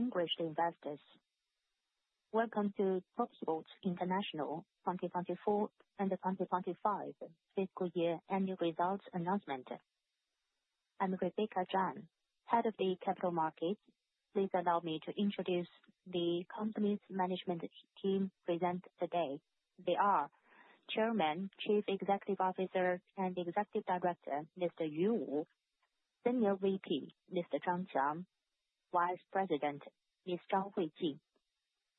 Distinguished investors, welcome to Topsports International 2024 and 2025 Fiscal Year Annual Results Announcement. I'm Rebecca Zhang, Head of the Capital Markets. Please allow me to introduce the company's management team present today. They are Chairman, Chief Executive Officer, and Executive Director, Mr. Wu Yu; Senior VP, Mr. Zhang Qiang; Vice President, Ms. Zhang Huijing;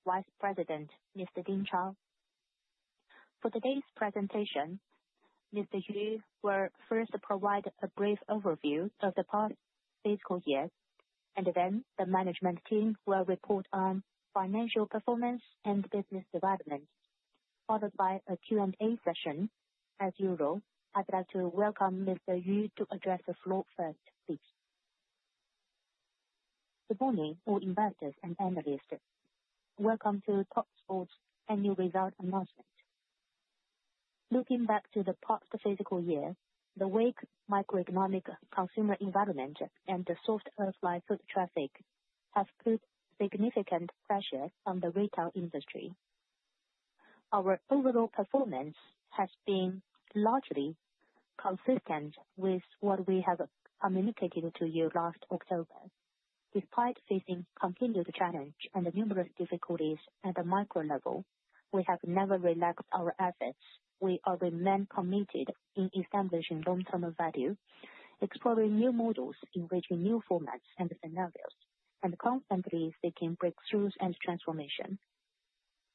Vice President, Mr. Ding Chao. For today's presentation, Mr. Yu will first provide a brief overview of the past fiscal year, and then the management team will report on financial performance and business development, followed by a Q&A session. As usual, I'd like to welcome Mr. Yu to address the floor first, please. Good morning, all investors and analysts. Welcome to Topsports' Annual Result Announcement. Looking back to the past fiscal year, the weak macroeconomic consumer environment and the soft airflow foot traffic have put significant pressure on the retail industry. Our overall performance has been largely consistent with what we have communicated to you last October. Despite facing continued challenges and numerous difficulties at the micro level, we have never relaxed our efforts. We are remaining committed in establishing long-term value, exploring new models in which new formats and scenarios, and constantly seeking breakthroughs and transformation.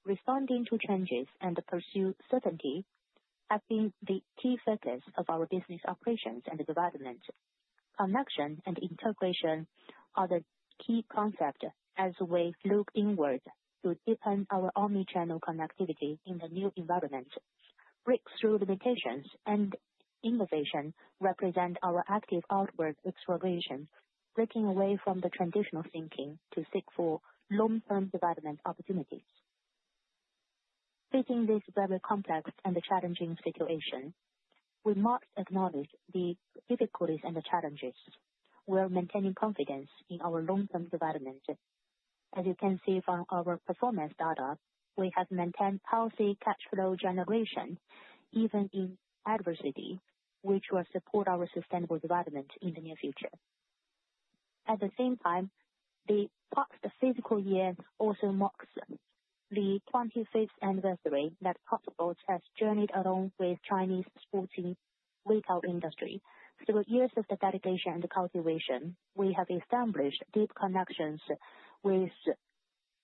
Responding to changes and pursuing certainty have been the key focus of our business operations and development. Connection and integration are the key concepts as we look inward to deepen our omnichannel connectivity in the new environment. Breakthrough limitations and innovation represent our active outward exploration, breaking away from the traditional thinking to seek for long-term development opportunities. Facing this very complex and challenging situation, we must acknowledge the difficulties and the challenges. We are maintaining confidence in our long-term development. As you can see from our performance data, we have maintained healthy cash flow generation even in adversity, which will support our sustainable development in the near future. At the same time, the past fiscal year also marks the 25th anniversary that Topsports has journeyed along with the Chinese sporting retail industry. Through years of dedication and cultivation, we have established deep connections with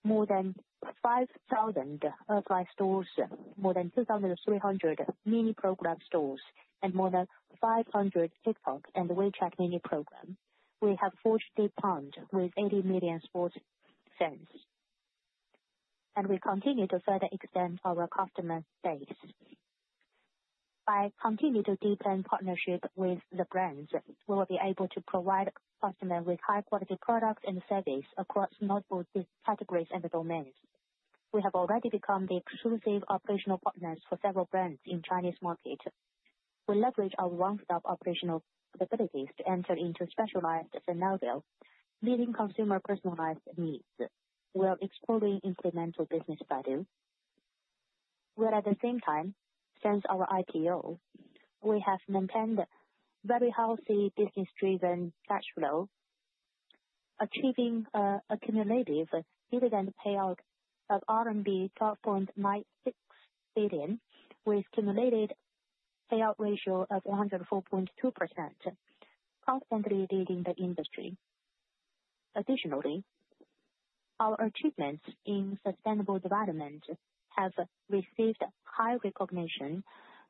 more than 5,000 [airline] stores, more than 2,300 mini program stores, and more than 500 TikTok and WeChat mini programs. We have forged a bond with 80 million sports fans, and we continue to further extend our customer base. By continuing to deepen partnerships with the brands, we will be able to provide customers with high-quality products and services across multiple categories and domains. We have already become the exclusive operational partners for several brands in the Chinese market. We leverage our one-stop operational capabilities to enter into specialized scenarios, meeting consumer personalized needs while exploring incremental business value. While at the same time, since our IPO, we have maintained very healthy business-driven cash flow, achieving an accumulative dividend payout of RMB 12.96 billion, with a cumulative payout ratio of 104.2%, constantly leading the industry. Additionally, our achievements in sustainable development have received high recognition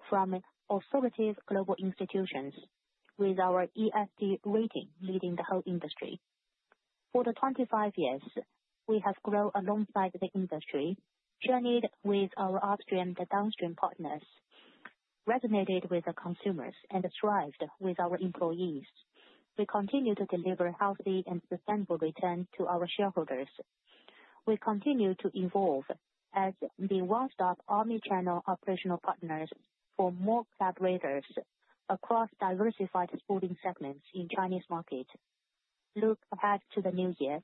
from authoritative global institutions, with our ESG rating leading the whole industry. For the 25 years, we have grown alongside the industry, journeyed with our upstream and downstream partners, resonated with consumers, and thrived with our employees. We continue to deliver healthy and sustainable returns to our shareholders. We continue to evolve as the one-stop omnichannel operational partners for more collaborators across diversified sporting segments in the Chinese market. Looking ahead to the new year,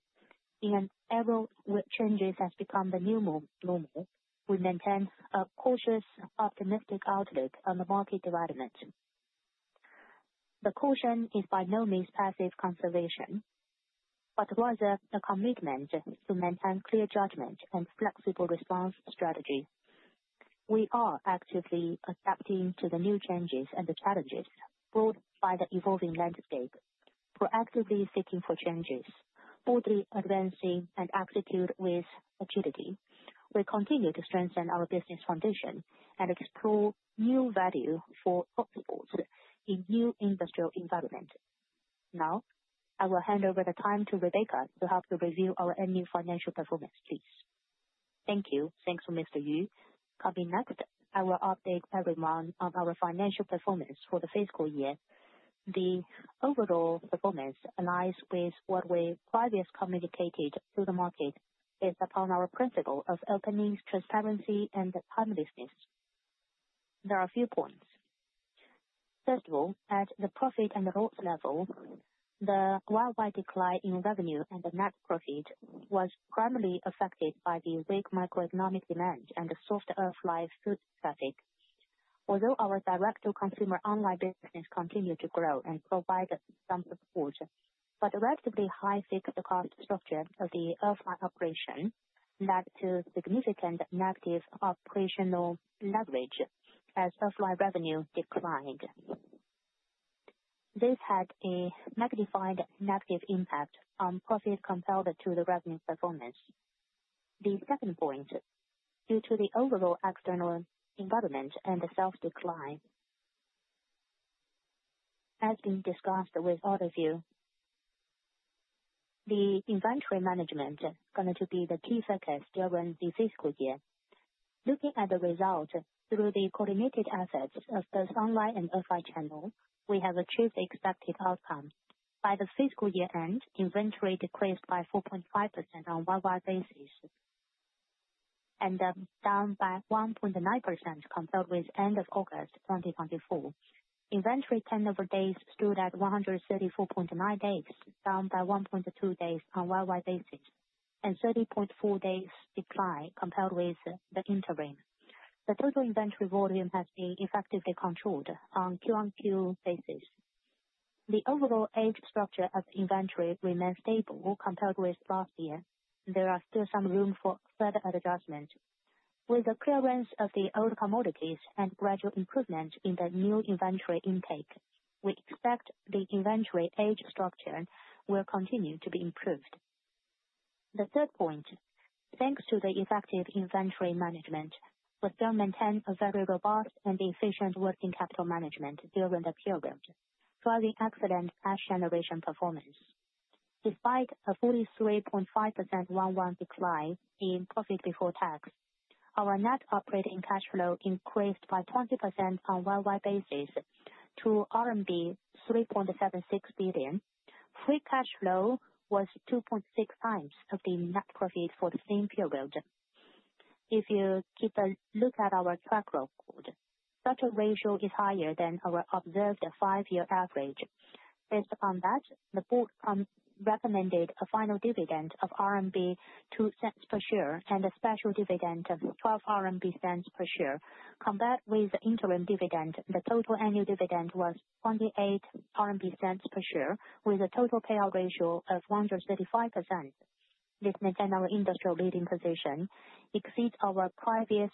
in an era where changes have become the new normal, we maintain a cautious, optimistic outlook on the market development. The caution is by no means passive conservation, but rather a commitment to maintain clear judgment and a flexible response strategy. We are actively adapting to the new changes and the challenges brought by the evolving landscape, proactively seeking for changes, boldly advancing, and executing with agility. We continue to strengthen our business foundation and explore new value for Topsports in new industrial environments. Now, I will hand over the time to Rebecca to help you review our annual financial performance, please. Thank you. Thanks to Mr. Yu. Coming next, I will update every month on our financial performance for the fiscal year. The overall performance aligns with what we previously communicated to the market based upon our principle of opening, transparency, and timeliness. There are a few points. First of all, at the profit and loss level, the worldwide decline in revenue and the net profit was primarily affected by the weak macroeconomic demand and the soft airflow foot traffic. Although our direct-to-consumer online business continued to grow and provide some support, the relatively high fixed-cost structure of the airline operation led to significant negative operational leverage as airflow revenue declined. This had a magnified negative impact on profit compared to the revenue performance. The second point, due to the overall external environment and the self-decline, as been discussed with all of you, the inventory management is going to be the key focus during the fiscal year. Looking at the result through the coordinated efforts of both online and offline channels, we have achieved the expected outcome. By the fiscal year end, inventory decreased by 4.5% on a worldwide basis and down by [1.29]% compared with the end of August 2024. Inventory turnover days stood at [134.29] days, down by [1.22] days on a worldwide basis, and 30.4 days declined compared with the interim. The total inventory volume has been effectively controlled on a Q-on-Q basis. The overall age structure of inventory remains stable compared with last year. There is still some room for further adjustment. With the clearance of the old commodities and gradual improvement in the new inventory intake, we expect the inventory age structure will continue to be improved. The third point, thanks to the effective inventory management, we still maintain a very robust and efficient working capital management during the period, driving excellent cash generation performance. Despite a 43.5% one-month decline in profit before tax, our net operating cash flow increased by 20% on a worldwide basis to RMB 3.76 billion. Free cash flow was 2.6 times the net profit for the same period. If you keep a look at our track record, such a ratio is higher than our observed five-year average. Based on that, the board recommended a final dividend of 0.02 per share and a special dividend of 0.12 per share. Combined with the interim dividend, the total annual dividend was 0.28 per share, with a total payout ratio of 135%. This maintained our industry leading position, exceeding our previous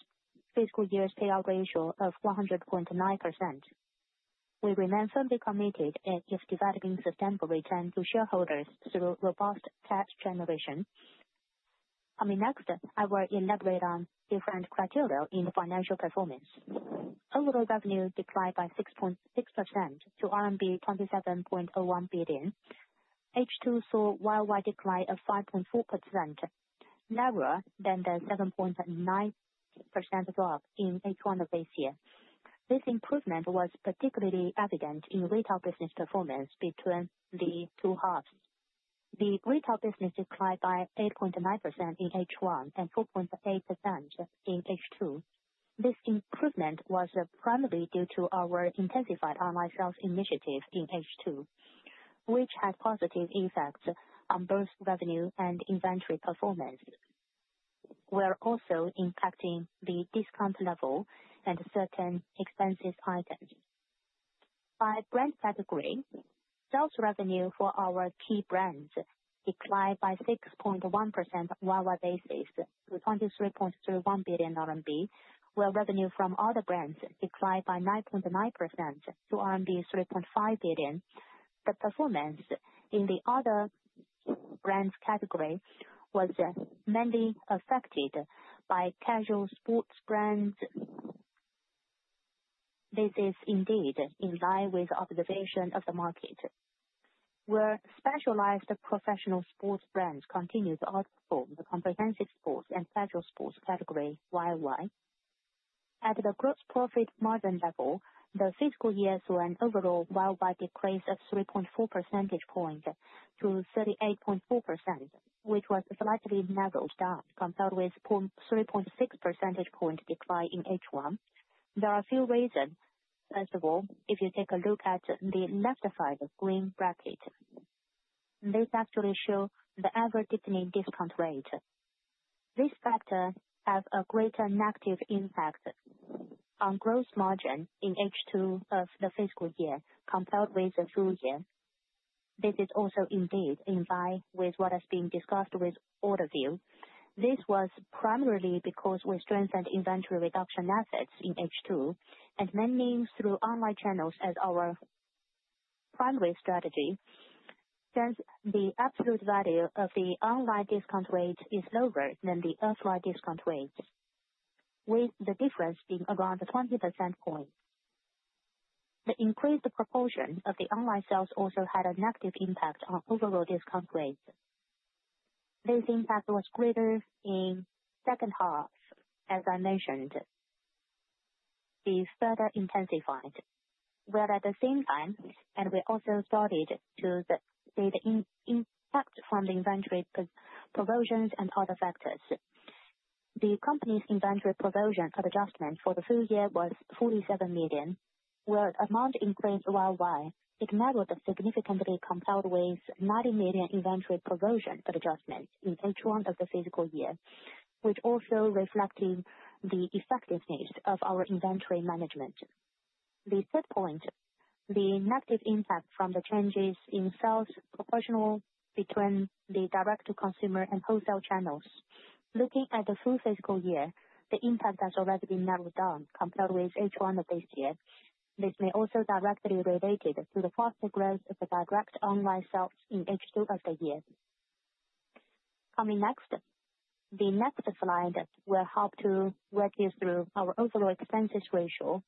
fiscal year's payout ratio of [100.29[%. We remain firmly committed to developing sustainable returns to shareholders through robust cash generation. Next, I will elaborate on different criteria in financial performance. Overall revenue declined by 6.6% to RMB 27.01 billion. H2 saw a worldwide decline of 5.4%, narrower than the [7.29]% drop in H1 of this year. This improvement was particularly evident in retail business performance between the two halves. The retail business declined by [8.29]% in H1 and 4.8% in H2. This improvement was primarily due to our intensified online sales initiative in H2, which had positive effects on both revenue and inventory performance. We are also impacting the discount level and certain expensive items. By brand category, sales revenue for our key brands declined by 6.1% on a worldwide basis to 23.31 billion RMB, while revenue from other brands declined by [9.29]% to RMB 3.5 billion. The performance in the other brands category was mainly affected by casual sports brands. This is indeed in line with observations of the market, where specialized professional sports brands continue to outperform the comprehensive sports and casual sports category worldwide. At the gross profit margin level, the fiscal year saw an overall worldwide decrease of 3.4 percentage points to 38.4%, which was slightly narrowed down compared with a 3.6 percentage point decline in H1. There are a few reasons. First of all, if you take a look at the left-hand side of the green bracket, this actually shows the average deepening discount rate. This factor has a greater negative impact on gross margin in H2 of the fiscal year compared with the full year. This is also indeed in line with what has been discussed with all of you. This was primarily because we strengthened inventory reduction efforts in H2 and maintained through online channels as our primary strategy, since the absolute value of the online discount rate is lower than the offline discount rates, with the difference being around 20% point. The increased proportion of the online sales also had a negative impact on overall discount rates. This impact was greater in the second half, as I mentioned, being further intensified. While at the same time, we also started to see the impact from the inventory provisions and other factors, the company's inventory provision adjustment for the full year was 47 million, where the amount increased worldwide. It narrowed significantly, compared with 90 million inventory provision adjustment in H1 of the fiscal year, which also reflected the effectiveness of our inventory management. The third point, the negative impact from the changes in sales proportional between the direct-to-consumer and wholesale channels. Looking at the full fiscal year, the impact has already been narrowed down compared with H1 of this year. This may also be directly related to the faster growth of the direct online sales in H2 of the year. Coming next, the next slide will help to walk you through our overall expenses ratio.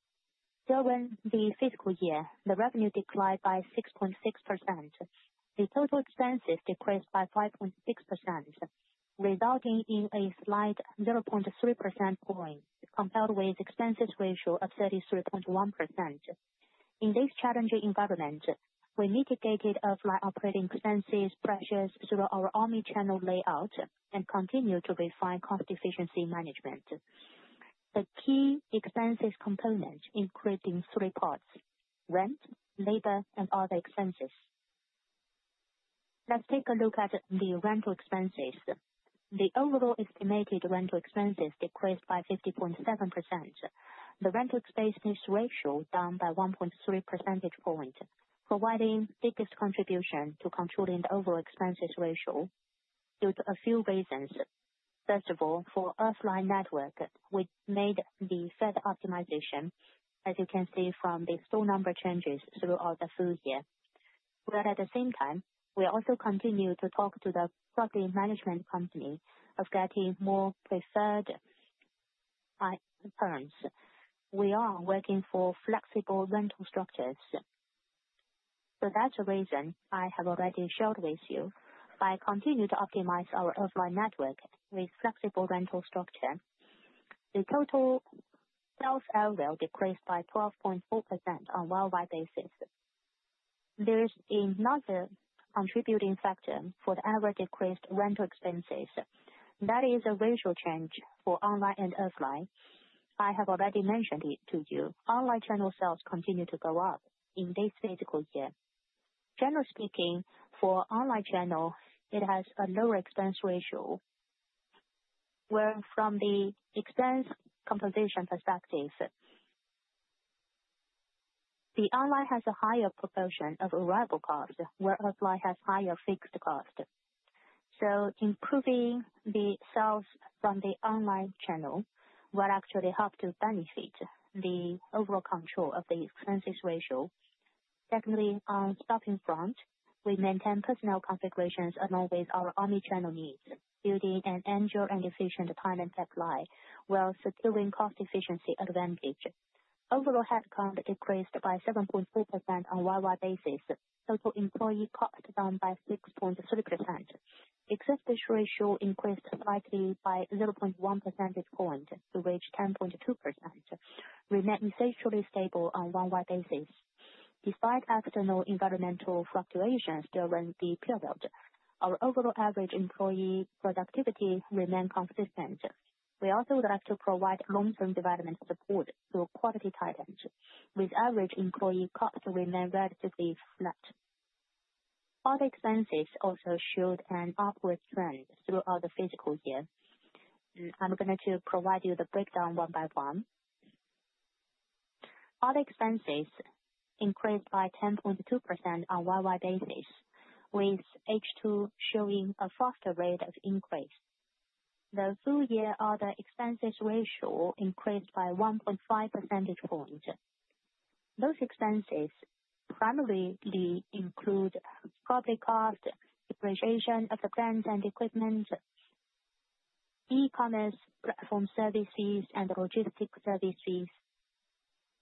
During the fiscal year, the revenue declined by 6.6%. The total expenses decreased by 5.6%, resulting in a slight 0.3% point, compared with the expenses ratio of 33.1%. In this challenging environment, we mitigated airflow operating expenses pressures through our omnichannel layout and continued to refine cost efficiency management. The key expenses component included three parts: rent, labor, and other expenses. Let's take a look at the rental expenses. The overall estimated rental expenses decreased by 50.7%. The rental expenses ratio down by 1.3 percentage points, providing the biggest contribution to controlling the overall expenses ratio due to a few reasons. First of all, for the offline network, we made the further optimization, as you can see from the store number changes throughout the full year. While at the same time, we also continue to talk to the property management company of getting more preferred terms. We are working for flexible rental structures. For that reason, I have already shared with you, by continuing to optimize our offline network with flexible rental structure, the total sales area decreased by 12.4% on a worldwide basis. There is another contributing factor for the average decreased rental expenses. That is a ratio change for online and offline. I have already mentioned it to you. Online channel sales continue to go up in this fiscal year. Generally speaking, for online channel, it has a lower expense ratio, where from the expense composition perspective, the online has a higher proportion of arrival costs, where offline has higher fixed costs. Improving the sales from the online channel will actually help to benefit the overall control of the expenses ratio. Secondly, on the stocking front, we maintain personal configurations along with our omnichannel needs, building an agile and efficient time and supply while securing cost efficiency advantage. Overall headcount decreased by 7.4% on a worldwide basis. Total employee cost down by 6.3%. Existing ratio increased slightly by 0.1 percentage point to reach 10.2%, remaining essentially stable on a worldwide basis. Despite external environmental fluctuations during the period, our overall average employee productivity remained consistent. We also would like to provide long-term development support through quality titans, with average employee costs remaining relatively flat. Other expenses also showed an upward trend throughout the fiscal year. I'm going to provide you the breakdown one by one. Other expenses increased by 10.2% on a worldwide basis, with H2 showing a faster rate of increase. The full year other expenses ratio increased by 1.5 percentage points. Those expenses primarily include property cost, depreciation of the brands and equipment, e-commerce platform services, and logistics services.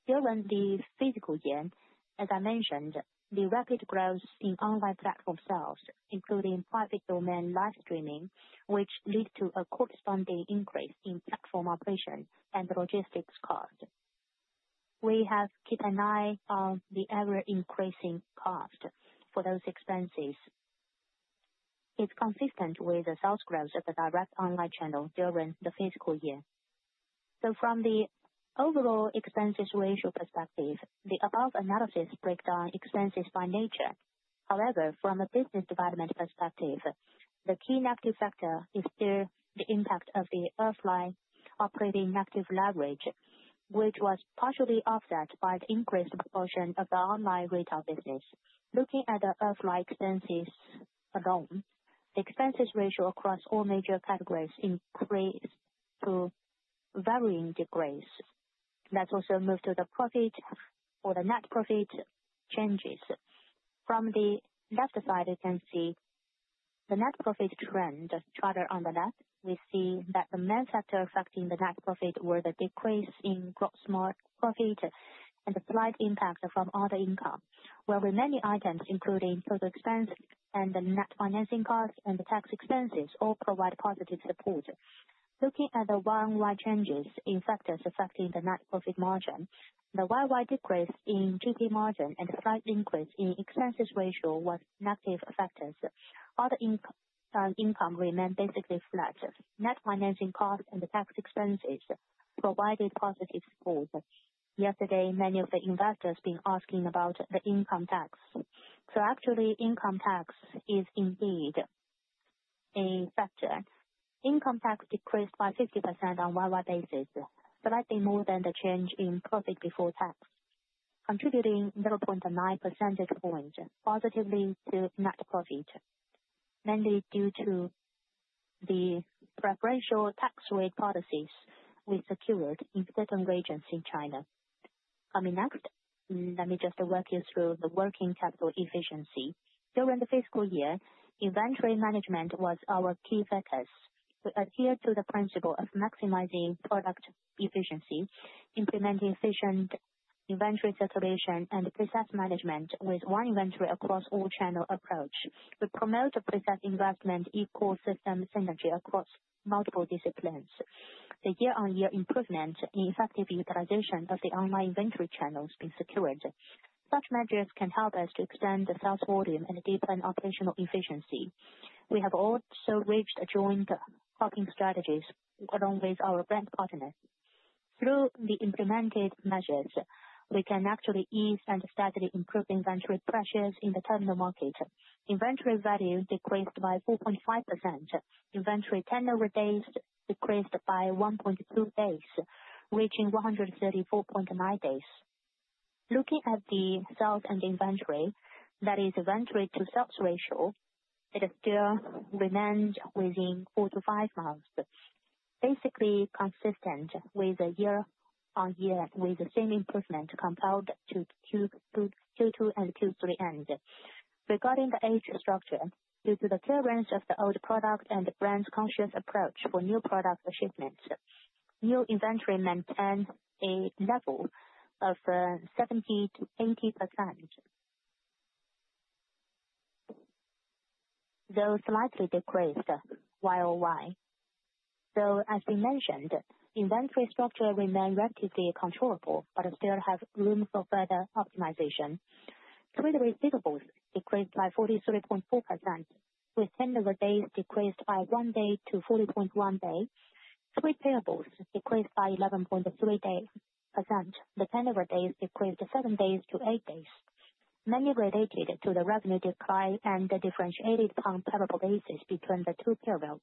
During the fiscal year, as I mentioned, the rapid growth in online platform sales, including private domain live streaming, led to a corresponding increase in platform operation and logistics costs. We have kept an eye on the ever-increasing cost for those expenses. It's consistent with the sales growth of the direct online channel during the fiscal year. From the overall expenses ratio perspective, the above analysis breakdown expenses by nature. However, from a business development perspective, the key negative factor is still the impact of the offline operating negative leverage, which was partially offset by the increased proportion of the online retail business. Looking at the offline expenses alone, the expenses ratio across all major categories increased to varying degrees. Let's also move to the profit or the net profit changes. From the left side, you can see the net profit trend. Further on the left, we see that the main factor affecting the net profit was the decrease in gross profit and the slight impact from other income, where many items, including total expense and the net financing costs and the tax expenses, all provide positive support. Looking at the worldwide changes in factors affecting the net profit margin, the worldwide decrease in GP margin and a slight increase in expenses ratio were negative factors. Other income remained basically flat. Net financing costs and the tax expenses provided positive support. Yesterday, many of the investors have been asking about the income tax. Actually, income tax is indeed a factor. Income tax decreased by 50% on a worldwide basis, slightly more than the change in profit before tax, contributing 0.9 percentage points positively to net profit, mainly due to the preferential tax rate policies we secured in certain regions in China. Coming next, let me just walk you through the working capital efficiency. During the fiscal year, inventory management was our key focus. We adhered to the principle of maximizing product efficiency, implementing efficient inventory circulation and process management with one inventory across all channels approach. We promote a process investment ecosystem synergy across multiple disciplines. The year-on-year improvement in effective utilization of the online inventory channels has been secured. Such measures can help us to expand the sales volume and deepen operational efficiency. We have also reached joint shopping strategies along with our brand partners. Through the implemented measures, we can actually ease and steadily improve inventory pressures in the terminal market. Inventory value decreased by 4.5%. Inventory tenure days decreased by [1.22] days, reaching [134.29] days. Looking at the sales and inventory, that is, inventory to sales ratio, it still remained within four to five months, basically consistent with a year-on-year improvement compared to Q2 and Q3 end. Regarding the age structure, due to the clearance of the old product and the brand-conscious approach for new product achievements, new inventory maintained a level of 70%-80%, though slightly decreased worldwide. As we mentioned, inventory structure remained relatively controllable but still has room for further optimization. Trade receivables decreased by 43.4%, with tenure days decreased by one day to 40.1 days. Trade payables decreased by 11.3%. The tenure days decreased seven days to eight days, mainly related to the revenue decline and the differentiated comparable basis between the two periods.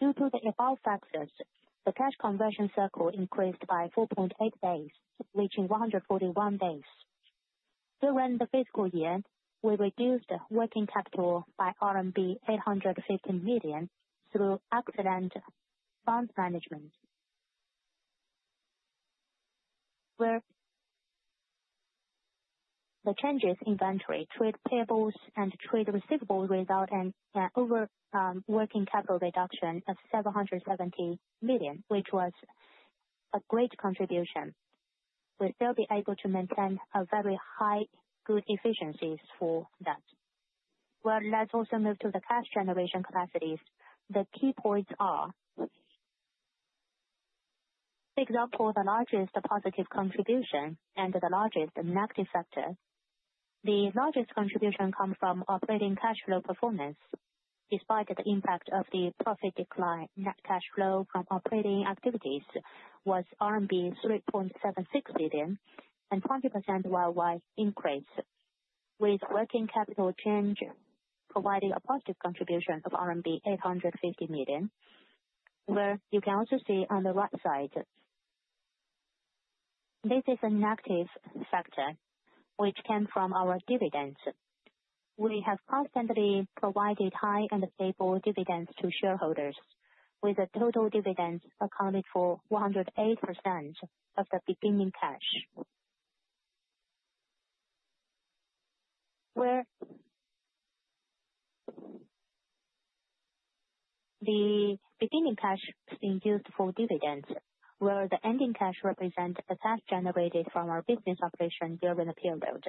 Due to the above factors, the cash conversion cycle increased by 4.8 days, reaching 141 days. During the fiscal year, we reduced working capital by RMB 850 million through excellent fund management, where the changes in inventory, trade payables, and trade receivables resulted in an overall working capital reduction of 770 million, which was a great contribution. We will still be able to maintain very high good efficiencies for that. Let's also move to the cash generation capacities. The key points are, for example, the largest positive contribution and the largest negative factor. The largest contribution comes from operating cash flow performance. Despite the impact of the profit decline, net cash flow from operating activities was RMB 3.76 billion and 20% worldwide increase, with working capital change providing a positive contribution of RMB 850 million, where you can also see on the right side. This is a negative factor, which came from our dividends. We have constantly provided high and stable dividends to shareholders, with a total dividend accounted for 108% of the beginning cash, where the beginning cash is used for dividends, where the ending cash represents the cash generated from our business operation during the period.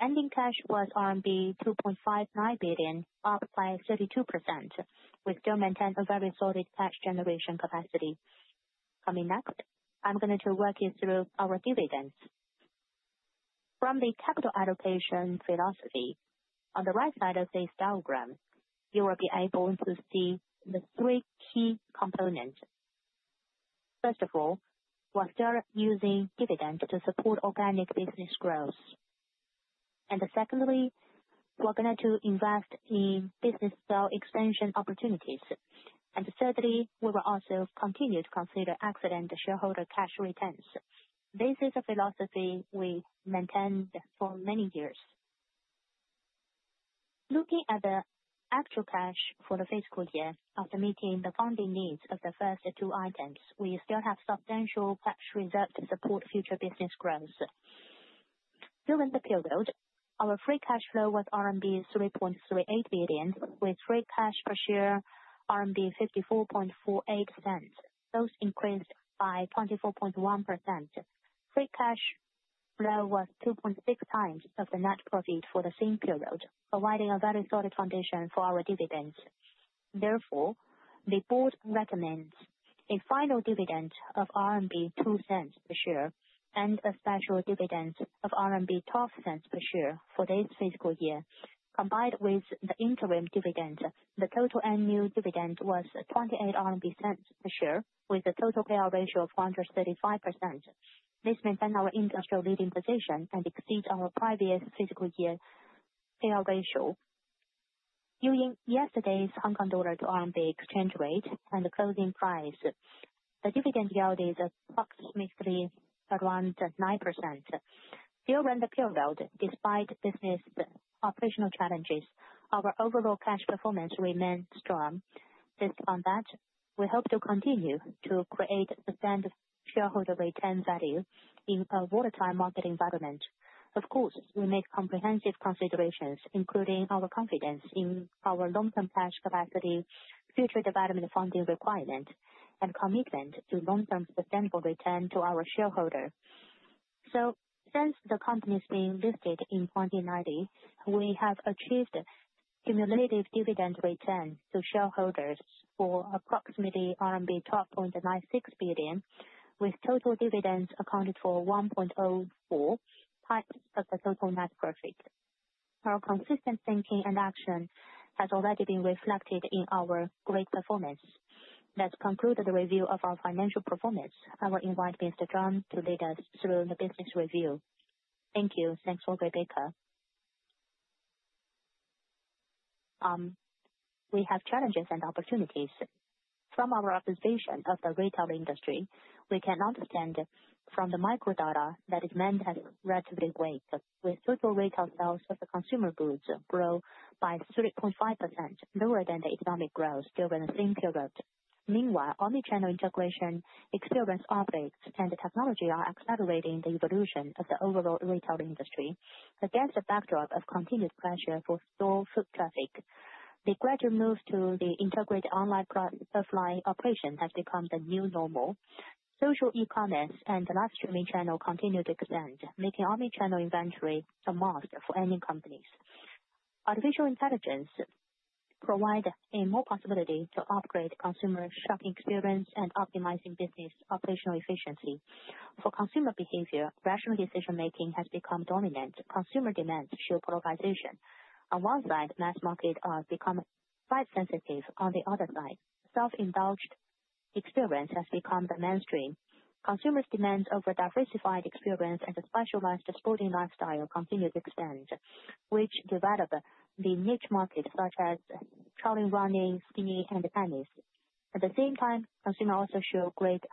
Ending cash was 2.59 billion, up by 32%, which still maintains a very solid cash generation capacity. Coming next, I'm going to walk you through our dividends. From the capital allocation philosophy, on the right side of this diagram, you will be able to see the three key components. First of all, we're still using dividends to support organic business growth. Secondly, we're going to invest in business sale extension opportunities. Thirdly, we will also continue to consider excellent shareholder cash returns. This is a philosophy we maintained for many years. Looking at the actual cash for the fiscal year, after meeting the funding needs of the first two items, we still have substantial cash reserves to support future business growth. During the period, our free cash flow was RMB 3.38 billion, with free cash per share 0.5448. Those increased by 24.1%. Free cash flow was 2.6 times the net profit for the same period, providing a very solid foundation for our dividends. Therefore, the board recommends a final dividend of 0.02 per share and a special dividend of 0.12 per share for this fiscal year. Combined with the interim dividend, the total annual dividend was 0.28 per share, with a total payout ratio of 135%. This maintains our industry leading position and exceeds our previous fiscal year payout ratio. Using yesterday's HKD to RMB exchange rate and the closing price, the dividend yield is approximately 9%. During the period, despite business operational challenges, our overall cash performance remained strong. Based on that, we hope to continue to create sustained shareholder return value in a volatile market environment. Of course, we make comprehensive considerations, including our confidence in our long-term cash capacity, future development funding requirement, and commitment to long-term sustainable return to our shareholders. Since the company has been listed in 2019, we have achieved cumulative dividend return to shareholders of approximately RMB 12.96 billion, with total dividends accounting for 1.04% of the total net profit. Our consistent thinking and action has already been reflected in our great performance. Let's conclude the review of our financial performance. I will invite Mr. Zhang to lead us through the business review. Thank you. Thanks for your backup. We have challenges and opportunities. From our observation of the retail industry, we can understand from the microdata that it remained relatively weak, with total retail sales of the consumer goods growing by 3.5%, lower than the economic growth during the same period. Meanwhile, omnichannel integration, experienced outbreaks, and technology are accelerating the evolution of the overall retail industry against the backdrop of continued pressure for store foot traffic. The gradual move to the integrated online offline operation has become the new normal. Social e-commerce and live streaming channels continue to expand, making omnichannel inventory a must for any companies. Artificial intelligence provides more possibility to upgrade consumer shopping experience and optimizing business operational efficiency. For consumer behavior, rational decision-making has become dominant. Consumer demands show polarization. On one side, mass markets are becoming price-sensitive. On the other side, self-indulged experience has become the mainstream. Consumers' demands over diversified experience and a specialized sporting lifestyle continue to expand, which develop the niche markets such as trail running, skiing, and tennis. At the same time, consumers also show great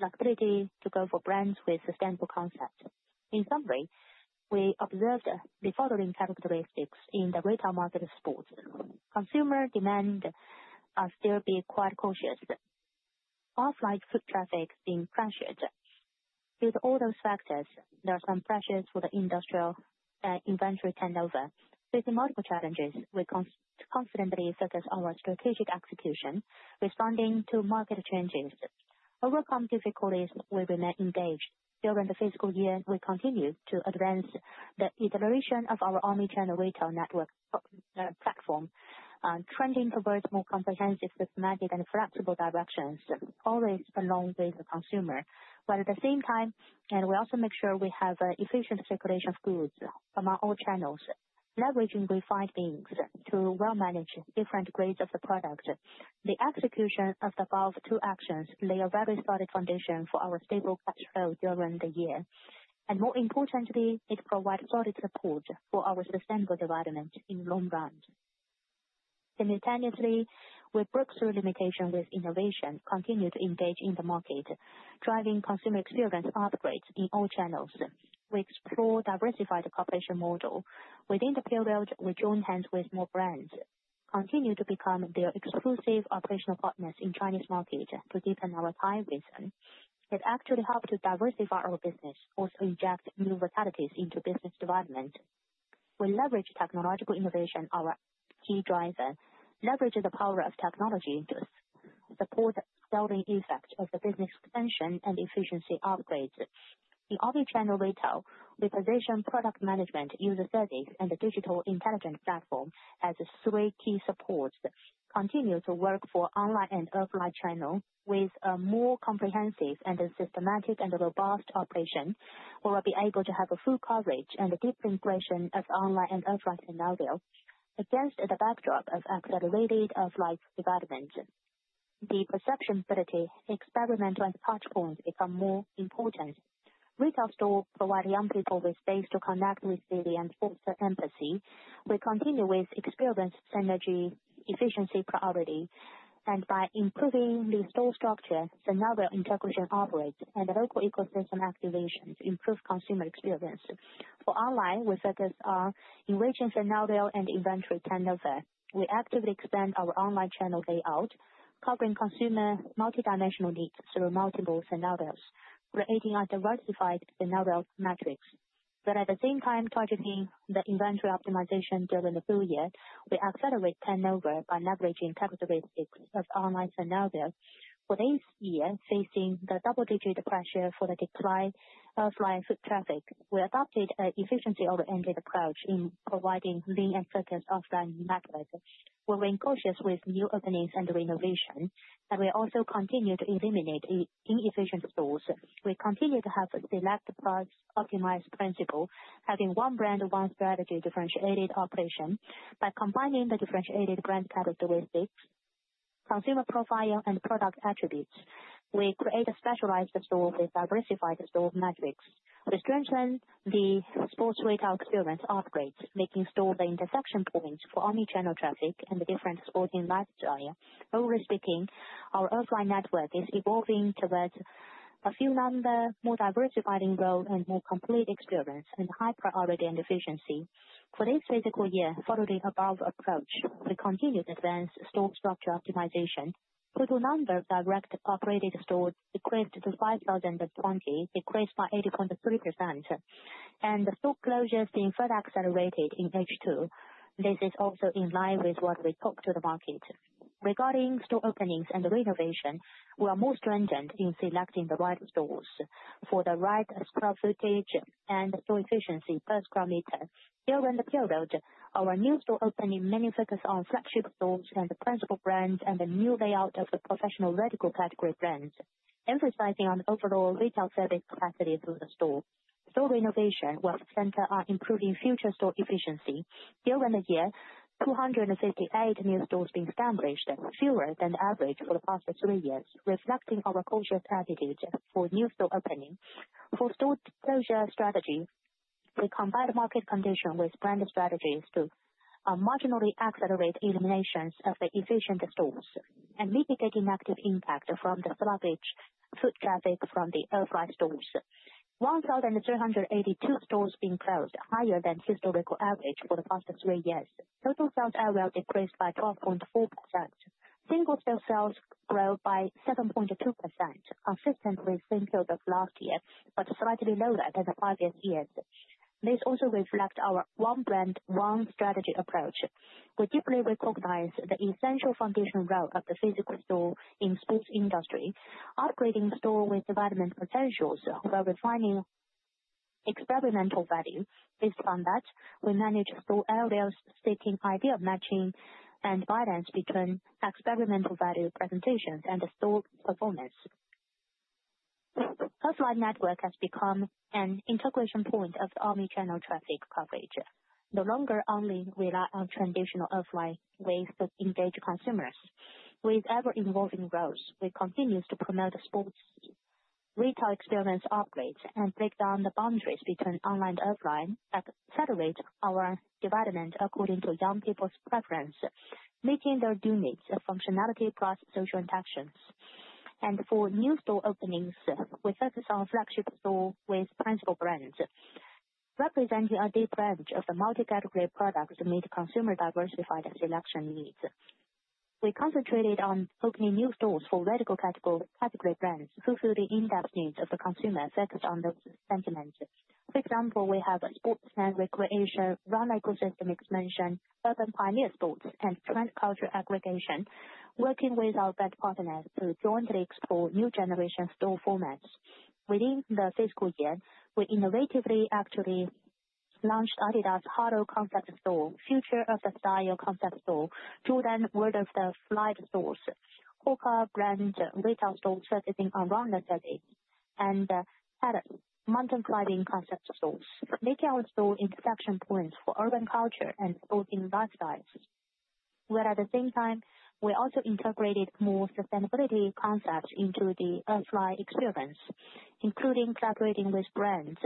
likelihood to go for brands with sustainable concepts. In summary, we observed the following characteristics in the retail market of sports. Consumer demand must still be quite cautious. Offline foot traffic is being pressured. With all those factors, there are some pressures for the industrial and inventory turnover. Facing multiple challenges, we constantly focus on our strategic execution, responding to market changes. Overcome difficulties, we remain engaged. During the fiscal year, we continue to advance the iteration of our omnichannel retail network platform, trending towards more comprehensive, systematic, and flexible directions, always along with the consumer. At the same time, we also make sure we have efficient circulation of goods from all channels, leveraging refined means to well-manage different grades of the product. The execution of the above two actions lays a very solid foundation for our stable cash flow during the year. More importantly, it provides solid support for our sustainable development in the long run. Simultaneously, we break through limitations with innovation, continue to engage in the market, driving consumer experience upgrades in all channels. We explore a diversified cooperation model. Within the period, we join hands with more brands, continue to become their exclusive operational partners in the Chinese market to deepen our ties with them. It actually helps to diversify our business, also inject new vitalities into business development. We leverage technological innovation, our key driver, leverage the power of technology, support the selling effect of the business. Expansion and efficiency upgrades. In omnichannel retail, we position product management, user service, and the digital intelligence platform as three key supports. Continue to work for online and offline channels with a more comprehensive and systematic and robust operation. We will be able to have full coverage and deep integration of online and offline scenarios against the backdrop of accelerated offline development. The perceptibility, experimental, and touchpoints become more important. Retail stores provide young people with space to connect with beauty and foster empathy. We continue with experience, synergy, efficiency priority. By improving the store structure, scenario integration operates and the local ecosystem activations improve consumer experience. For online, we focus on enriching scenario and inventory turnover. We actively expand our online channel layout, covering consumer multidimensional needs through multiple scenarios relating our diversified scenario metrics. At the same time, targeting the inventory optimization during the full year, we accelerate turnover by leveraging characteristics of online scenario. For this year, facing the double-digit pressure for the deploy of live foot traffic, we adopted an efficiency-oriented approach in providing lean and focused offline methods. We remain cautious with new openings and renovation, and we also continue to eliminate inefficient stores. We continue to have a select price-optimized principle, having one brand, one strategy, differentiated operation. By combining the differentiated brand characteristics, consumer profile, and product attributes, we create a specialized store with diversified store metrics. We strengthen the sports retail experience upgrades, making store the intersection points for omnichannel traffic and the different sporting life style. Overall speaking, our offline network is evolving towards a fewer number, more diversified in growth, and more complete experience, and high priority and efficiency. For this fiscal year, following the above approach, we continue to advance store structure optimization. Total number of direct operated stores decreased to 5,020, decreased by 80.3%. The store closures being further accelerated in H2. This is also in line with what we talked to the market. Regarding store openings and renovation, we are more strengthened in selecting the right stores for the right square footage and store efficiency per square meter. During the period, our new store opening mainly focused on flagship stores and the principal brands and the new layout of the professional vertical category brands, emphasizing on overall retail service capacity through the store. Store renovation was centered on improving future store efficiency. During the year, 258 new stores being established, fewer than average for the past three years, reflecting our cautious attitude for new store opening. For store closure strategy, we combined market conditions with brand strategies to marginally accelerate eliminations of the efficient stores and mitigate negative impact from the sluggish foot traffic from the air fry stores. 1,382 stores being closed, higher than historical average for the past three years. Total sales area decreased by 12.4%. Single-store sales grew by 7.2%, consistent with the same period of last year, but slightly lower than the previous years. This also reflects our one brand, one strategy approach. We deeply recognize the essential foundational role of the physical store in the sports industry, upgrading store with development potentials while refining experimental value. Based on that, we manage store areas seeking ideal matching and balance between experimental value presentations and the store performance. Offline network has become an integration point of the omnichannel traffic coverage. No longer only rely on traditional offline ways to engage consumers. With ever-evolving growth, we continue to promote sports retail experience upgrades and break down the boundaries between online and offline that accelerate our development according to young people's preference, meeting their duties of functionality plus social interactions. For new store openings, we focus on flagship stores with principal brands, representing a deep range of the multi-category products to meet consumer diversified selection needs. We concentrated on opening new stores for vertical category brands, fulfilling in-depth needs of the consumer, focused on those sentiments. For example, we have sports and recreation, run ecosystem expansion, urban pioneer sports, and trend culture aggregation, working with our best partners to jointly explore new generation store formats. Within the fiscal year, we innovatively actually launched Adidas Hollow concept store, Future of the Style concept store, Jordan worth of sales flag stores, Hoka brand retail stores focusing on runner settings, and Mountain Climbing concept stores, making our store intersection points for urban culture and sporting lifestyles. At the same time, we also integrated more sustainability concepts into the air fry experience, including collaborating with brands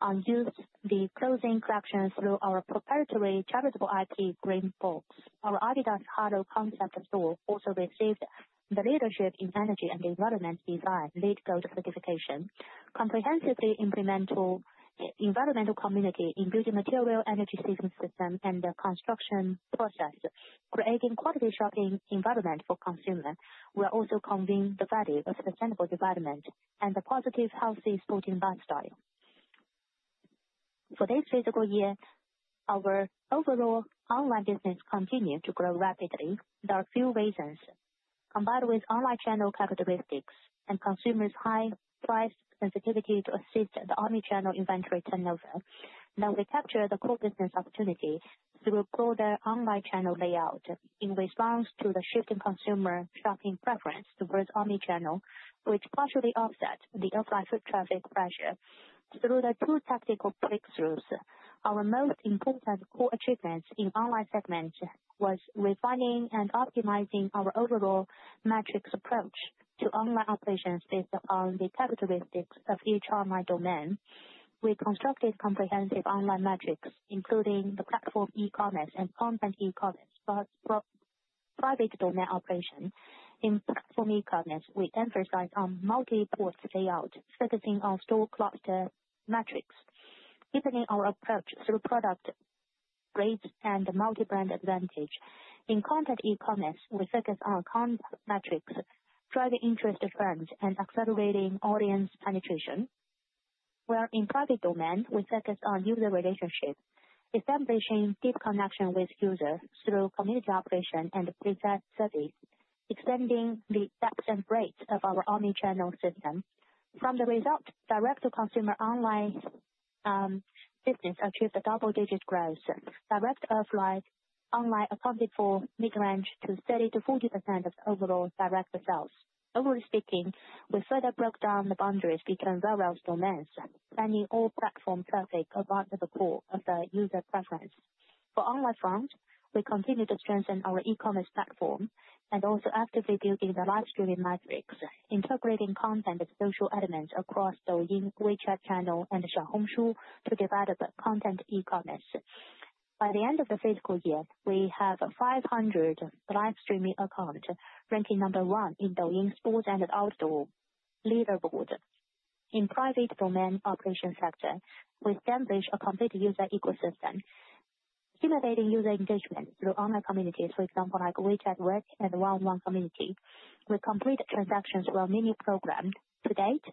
on using the closing collection through our proprietary charitable IP green box. Our Adidas Hollow concept store also received the Leadership in Energy and Environment Design, LEED Gold certification, comprehensively implementing environmental community in building material energy saving system and the construction process, creating quality shopping environment for consumers. We also conveyed the value of sustainable development and the positive healthy sporting lifestyle. For this fiscal year, our overall online business continued to grow rapidly. There are a few reasons. Combined with online channel characteristics and consumers' high price sensitivity to assist the omnichannel inventory turnover, now we capture the core business opportunity through a broader online channel layout in response to the shifting consumer shopping preference towards omnichannel, which partially offsets the offline foot traffic pressure. Through the two tactical breakthroughs, our most important core achievements in online segments were refining and optimizing our overall metrics approach to online operations based on the characteristics of each online domain. We constructed comprehensive online metrics, including the platform e-commerce and content e-commerce, plus private domain operation. In platform e-commerce, we emphasized on multi-port layout, focusing on store cluster metrics, deepening our approach through product rates and multi-brand advantage. In content e-commerce, we focused on content metrics, driving interest of brands and accelerating audience penetration. Where in private domain, we focused on user relationship, establishing deep connection with users through community operation and preset settings, extending the depth and breadth of our omnichannel system. From the result, direct-to-consumer online business achieved a double-digit growth. Direct offline online accounted for mid-range to 30%-40% of the overall direct sales. Overall speaking, we further broke down the boundaries between various domains, spanning all platform traffic above the core of the user preference. For online front, we continued to strengthen our e-commerce platform and also actively building the live streaming metrics, integrating content and social elements across Douyin, WeChat channel, and Xiaohongshu to develop content e-commerce. By the end of the fiscal year, we have 500 live streaming accounts, ranking number one in Douyin Sports and Outdoor leaderboard. In private domain operation sector, we established a complete user ecosystem, stimulating user engagement through online communities, for example, like WeChat Work and One-on-One Community. With complete transactions through our mini program, to date,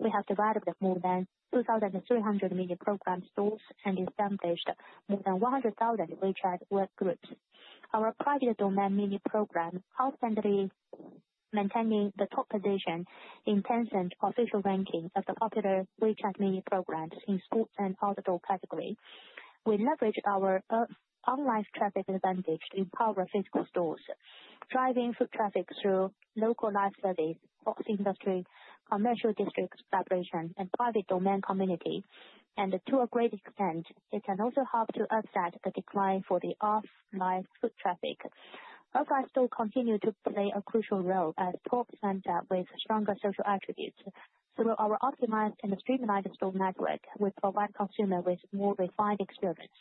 we have developed more than 2,300 mini program stores and established more than 100,000 WeChat Work groups. Our private domain mini program constantly maintained the top position in Tencent's official ranking of the popular WeChat mini programs in sports and outdoor category. We leveraged our online traffic advantage to empower physical stores, driving foot traffic through local live settings, sports industry, commercial district collaboration, and private domain community. To a great extent, it can also help to offset the decline for the offline foot traffic. Air fry stores continue to play a crucial role as store centers with stronger social attributes. Through our optimized and streamlined store network, we provide consumers with more refined experience.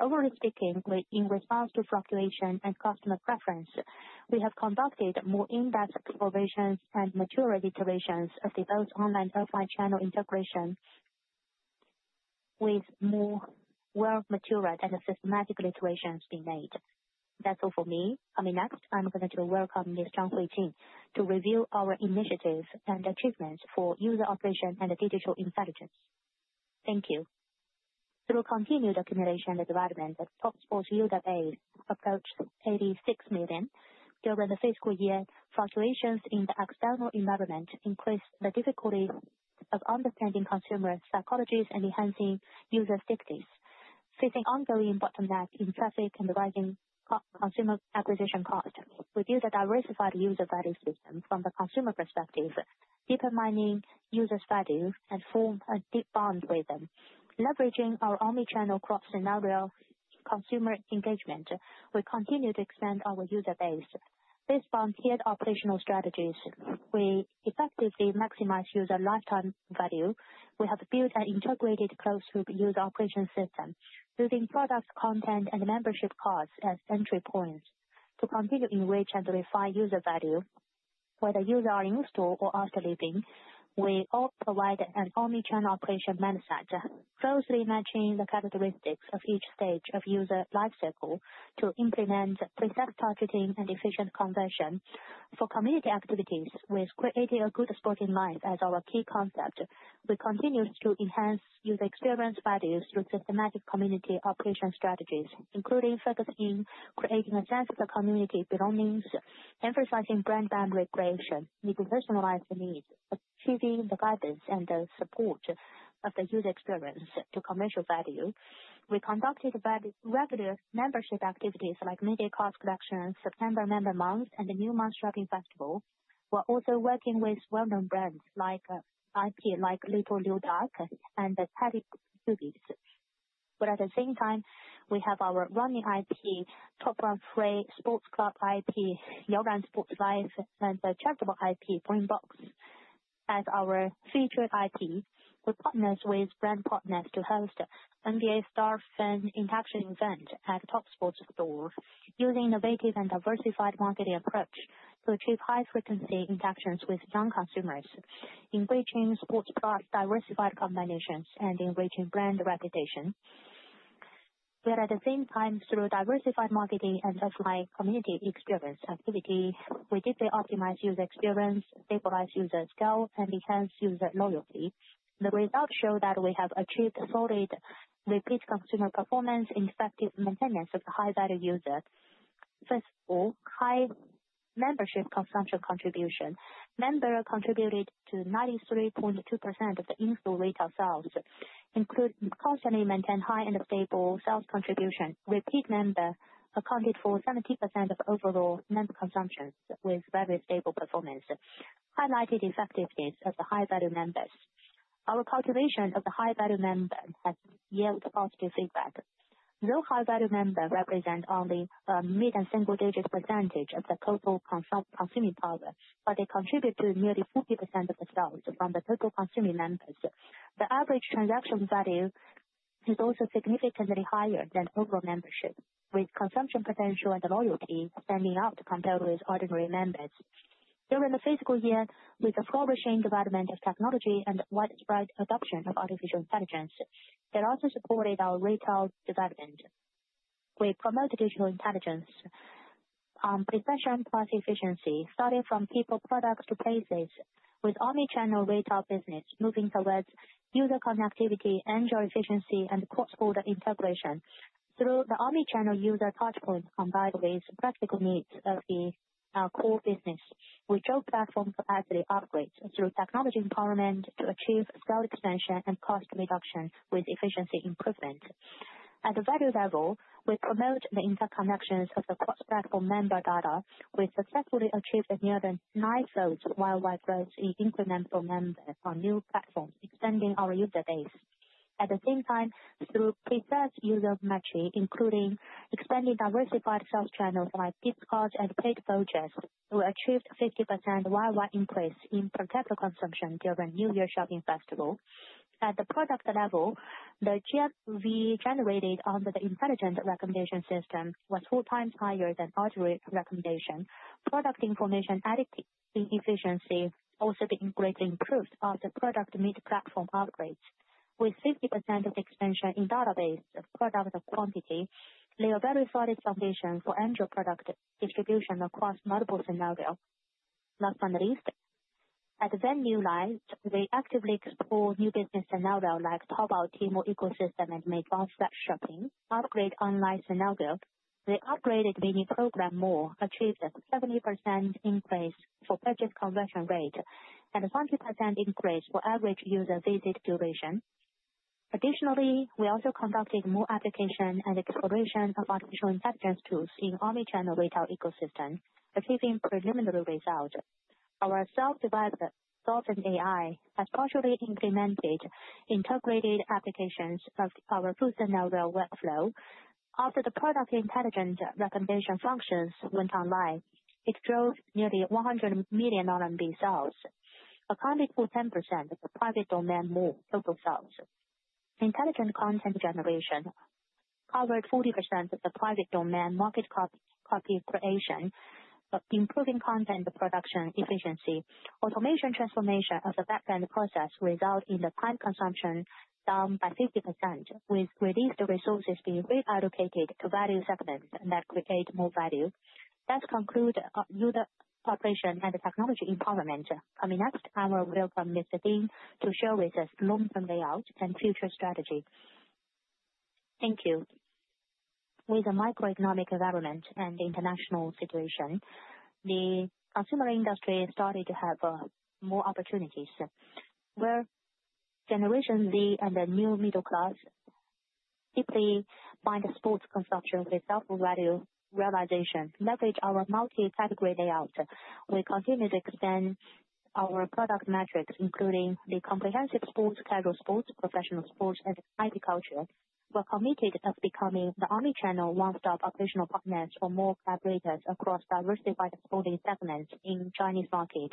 Overall speaking, in response to fluctuation and customer preference, we have conducted more in-depth explorations and mature iterations of both online and offline channel integration, with more well-matured and systematic iterations being made. That's all for me. Coming next, I'm going to welcome Ms. Zhang Huijing to review our initiatives and achievements for user operation and digital intelligence. Thank you. Through continued accumulation and development, the Topsports retail base approached 86 million. During the fiscal year, fluctuations in the external environment increased the difficulty of understanding consumer psychologies and enhancing user safety. Facing ongoing bottlenecks in traffic and rising consumer acquisition cost, we built a diversified user value system from the consumer perspective, deepened user strategies, and formed a deep bond with them. Leveraging our omnichannel cross-scenario consumer engagement, we continue to expand our user base. Based on tiered operational strategies, we effectively maximize user lifetime value. We have built an integrated closed-loop user operation system, using products, content, and membership costs as entry points to continue enriching and refine user value. Whether users are in store or after leaving, we all provide an omnichannel operation mindset, closely matching the characteristics of each stage of user lifecycle to implement preset targeting and efficient conversion. For community activities, we created a good sporting life as our key concept. We continue to enhance user experience values through systematic community operation strategies, including focusing on creating a sense of community belonging, emphasizing brand boundary creation, meeting personalized needs, achieving the guidance and the support of the user experience to commercial value. We conducted regular membership activities like media cross-collection, September Member Month, and the New Month Shopping Festival. We're also working with well-known brands like IP like Little Liu Duck and Patty Huggies. At the same time, we have our running IP, Top Run Freight, Sports Club IP, Yiran Sportslife, and the [Chesterbrook] IP, Bringbox, as our featured IP. We partnered with brand partners to host NBA Star Fan Interaction Event at Topsports stores, using innovative and diversified marketing approaches to achieve high-frequency interactions with young consumers, enriching sports plus diversified combinations and enriching brand reputation. At the same time, through diversified marketing and offline community experience activities, we deeply optimized user experience, stabilized user scale, and enhanced user loyalty. The results show that we have achieved solid repeat consumer performance, effective maintenance of the high-value user. First of all, high membership consumption contribution. Members contributed to 93.2% of the in-store retail sales, constantly maintaining high and stable sales contribution. Repeat member accounted for 70% of overall member consumption, with very stable performance, highlighting the effectiveness of the high-value members. Our cultivation of the high-value member has yielded positive feedback. Though high-value members represent only a mid- and single-digit percentage of the total consuming power, they contribute to nearly 40% of the sales from the total consuming members. The average transaction value is also significantly higher than overall membership, with consumption potential and loyalty standing out compared with ordinary members. During the fiscal year, with the flourishing development of technology and widespread adoption of artificial intelligence, it also supported our retail development. We promoted digital intelligence on precision plus efficiency, starting from people, products, to places, with omnichannel retail business moving towards user connectivity, angel efficiency, and cross-border integration. Through the omnichannel user touchpoint, combined with practical needs of the core business, we drove platform capacity upgrades through technology empowerment to achieve sales expansion and cost reduction with efficiency improvement. At the value level, we promote the interconnections of the cross-platform member data, which successfully achieved a near nine-fold worldwide growth in incremental members on new platforms, extending our user base. At the same time, through preset user matching, including expanding diversified sales channels like Discord and paid vouchers, we achieved a 50% worldwide increase in per capita consumption during New Year's Shopping Festival. At the product level, the GFV generated under the intelligent recommendation system was four times higher than ordinary recommendation. Product information added in efficiency also greatly improved after product mid-platform upgrades, with 50% of the expansion in database of product quantity. They are very solid foundations for angel product distribution across multiple scenarios. Last but not least, at the venue line, we actively explore new business scenarios like top-out team or ecosystem and mid-month flat shopping. Upgrade online scenarios. We upgraded mini program more, achieved a 70% increase for purchase conversion rate and a 20% increase for average user visit duration. Additionally, we also conducted more application and exploration of artificial intelligence tools in omnichannel retail ecosystem, achieving preliminary results. Our self-developed Dolphin AI has partially implemented integrated applications of our full scenario workflow. After the product intelligent recommendation functions went online, it drove nearly 100 million RMB sales, accounting for 10% of the private domain total sales. Intelligent content generation covered 40% of the private domain market copy creation, improving content production efficiency. Automation transformation of the backend process resulted in the time consumption down by 50%, with released resources being reallocated to value segments that create more value. That concludes user operation and technology empowerment. Coming next, I will welcome Mr. Ding to share with us long-term layout and future strategy. Thank you. With the macroeconomic environment and the international situation, the consumer industry started to have more opportunities. Where Generation Z and the new middle class deeply bind sports consumption with self-realization, leveraging our multi-category layout, we continue to expand our product metrics, including the comprehensive sports, casual sports, professional sports, and IP culture. We're committed to becoming the omnichannel one-stop operational partners for more collaborators across diversified sporting segments in the Chinese market.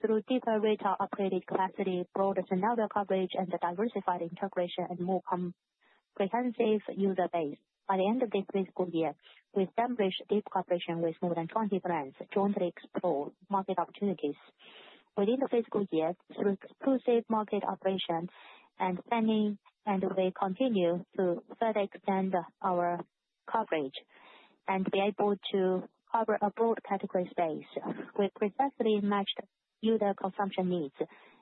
Through deeper retail operating capacity, broader scenario coverage, and diversified integration and more comprehensive user base, by the end of this fiscal year, we've established deep cooperation with more than 20 brands, jointly exploring market opportunities. Within the fiscal year, through exclusive market operation and planning, we continue to further extend our coverage and be able to cover a broad category space. We have precisely matched user consumption needs,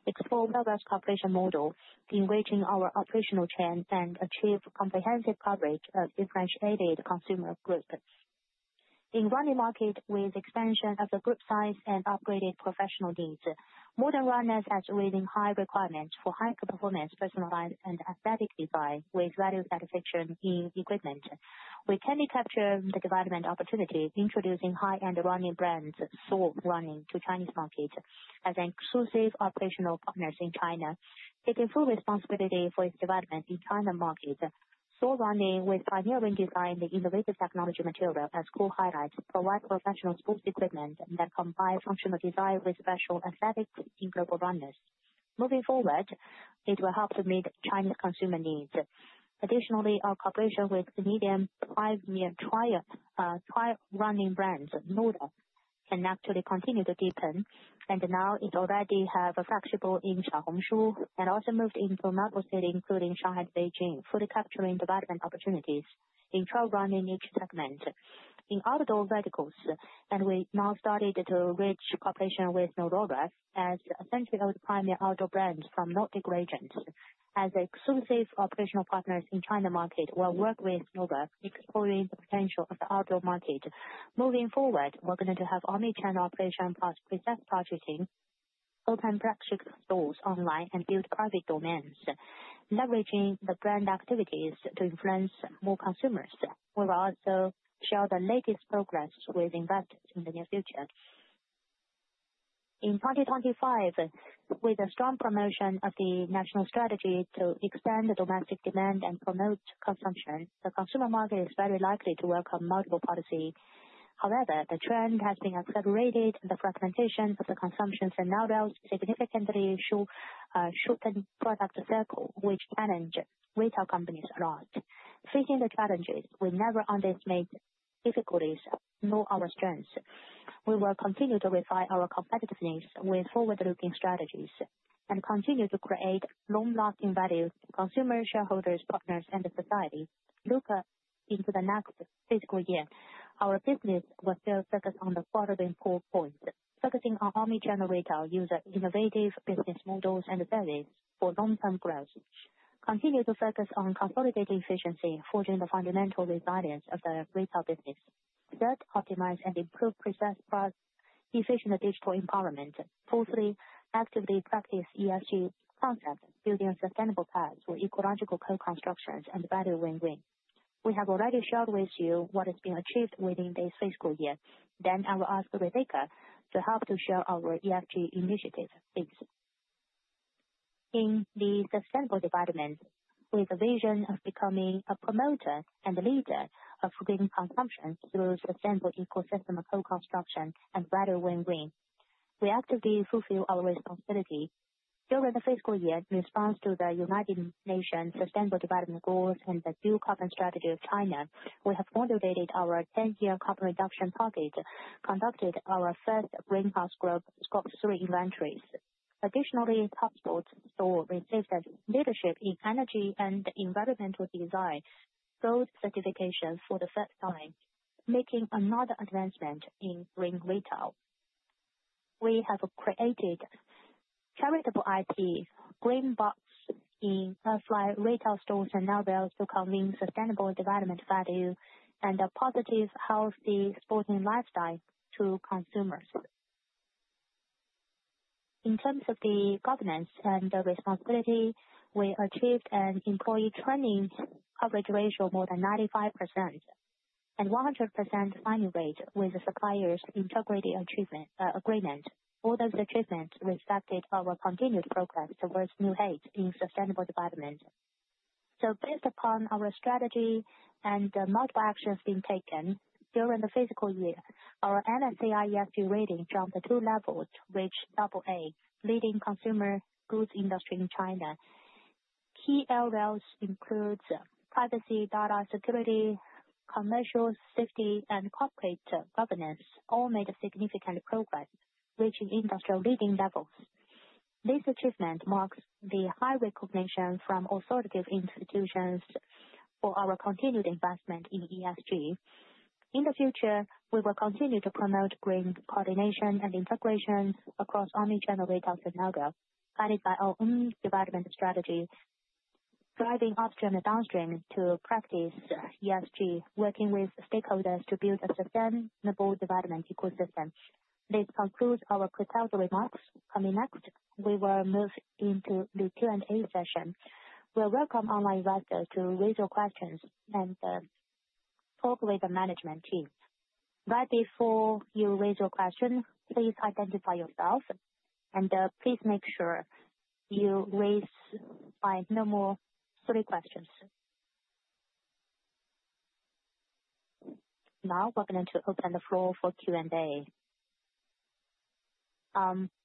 explored diverse cooperation models, enriching our operational chain and achieving comprehensive coverage of differentiated consumer groups. In running market, with expansion of the group size and upgraded professional needs, modern runners are within high requirements for high-performance personalized and aesthetic design with value satisfaction in equipment. We can capture the development opportunity, introducing high-end running brands, store running to Chinese market as exclusive operational partners in China. Taking full responsibility for its development in China market, store running with pioneering design, the innovative technology material as core highlights provide professional sports equipment that combines functional design with special aesthetics in global runners. Moving forward, it will help to meet Chinese consumer needs. Additionally, our cooperation with medium five-year trial running brands, Nuda, can actually continue to deepen, and now it already has a flexible in Xiaohongshu and also moved into another city, including Shanghai and Beijing, fully capturing development opportunities in trial running each segment. In outdoor verticals, we now started to reach cooperation with Norrona as a central primary outdoor brand from Nordic regions. As exclusive operational partners in China market, we'll work with Nuda, exploring the potential of the outdoor market. Moving forward, we're going to have omnichannel operation plus preset targeting, open practical stores online, and build private domains, leveraging the brand activities to influence more consumers. We will also share the latest progress with investors in the near future. In 2025, with the strong promotion of the national strategy to expand domestic demand and promote consumption, the consumer market is very likely to welcome multiple policies. However, the trend has been accelerated, and the fragmentation of the consumption scenarios significantly shortened product cycles, which challenged retail companies a lot. Facing the challenges, we never underestimate difficulties, nor our strengths. We will continue to refine our competitiveness with forward-looking strategies and continue to create long-lasting value for consumers, shareholders, partners, and society. Looking into the next fiscal year, our business will still focus on the following four points, focusing on omnichannel retail user innovative business models and services for long-term growth. Continue to focus on consolidating efficiency, forging the fundamental resilience of the retail business. Third, optimize and improve preset efficient digital empowerment. Fourthly, actively practice ESG concept, building a sustainable path through ecological co-constructions and value win-win. We have already shared with you what has been achieved within this fiscal year. I will ask Rebecca to help to share our ESG initiative piece. In the sustainable development, with a vision of becoming a promoter and leader of green consumption through sustainable ecosystem co-construction and value win-win, we actively fulfill our responsibility. During the fiscal year, in response to the United Nations Sustainable Development Goals and the Dual Carbon Strategy of China, we have motivated our 10-year carbon reduction target, conducted our first greenhouse gas Scope 3 inventories. Additionally, Topsports Store received Leadership in Energy and Environmental Design Gold certification for the first time, making another advancement in green retail. We have created charitable IP, Green Box, in retail store scenarios to convey sustainable development value and a positive, healthy sporting lifestyle to consumers. In terms of the governance and responsibility, we achieved an employee training coverage ratio of more than 95% and 100% signing rate with the suppliers' integrity agreement. All those achievements reflected our continued progress towards new heights in sustainable development. Based upon our strategy and the multiple actions being taken during the fiscal year, our MSCI ESG rating jumped two levels, which is double-A, leading consumer goods industry in China. Key areas include privacy, data security, commercial safety, and corporate governance, all made significant progress, reaching industry leading levels. This achievement marks the high recognition from authoritative institutions for our continued investment in ESG. In the future, we will continue to promote green coordination and integration across omnichannel retail scenarios, guided by our own development strategy, driving upstream and downstream to practice ESG, working with stakeholders to build a sustainable development ecosystem. This concludes our closed remarks. Coming next, we will move into the Q&A session. We'll welcome online investors to raise your questions and talk with the management team. Right before you raise your question, please identify yourself, and please make sure you raise by no more than three questions. Now, we're going to open the floor for Q&A.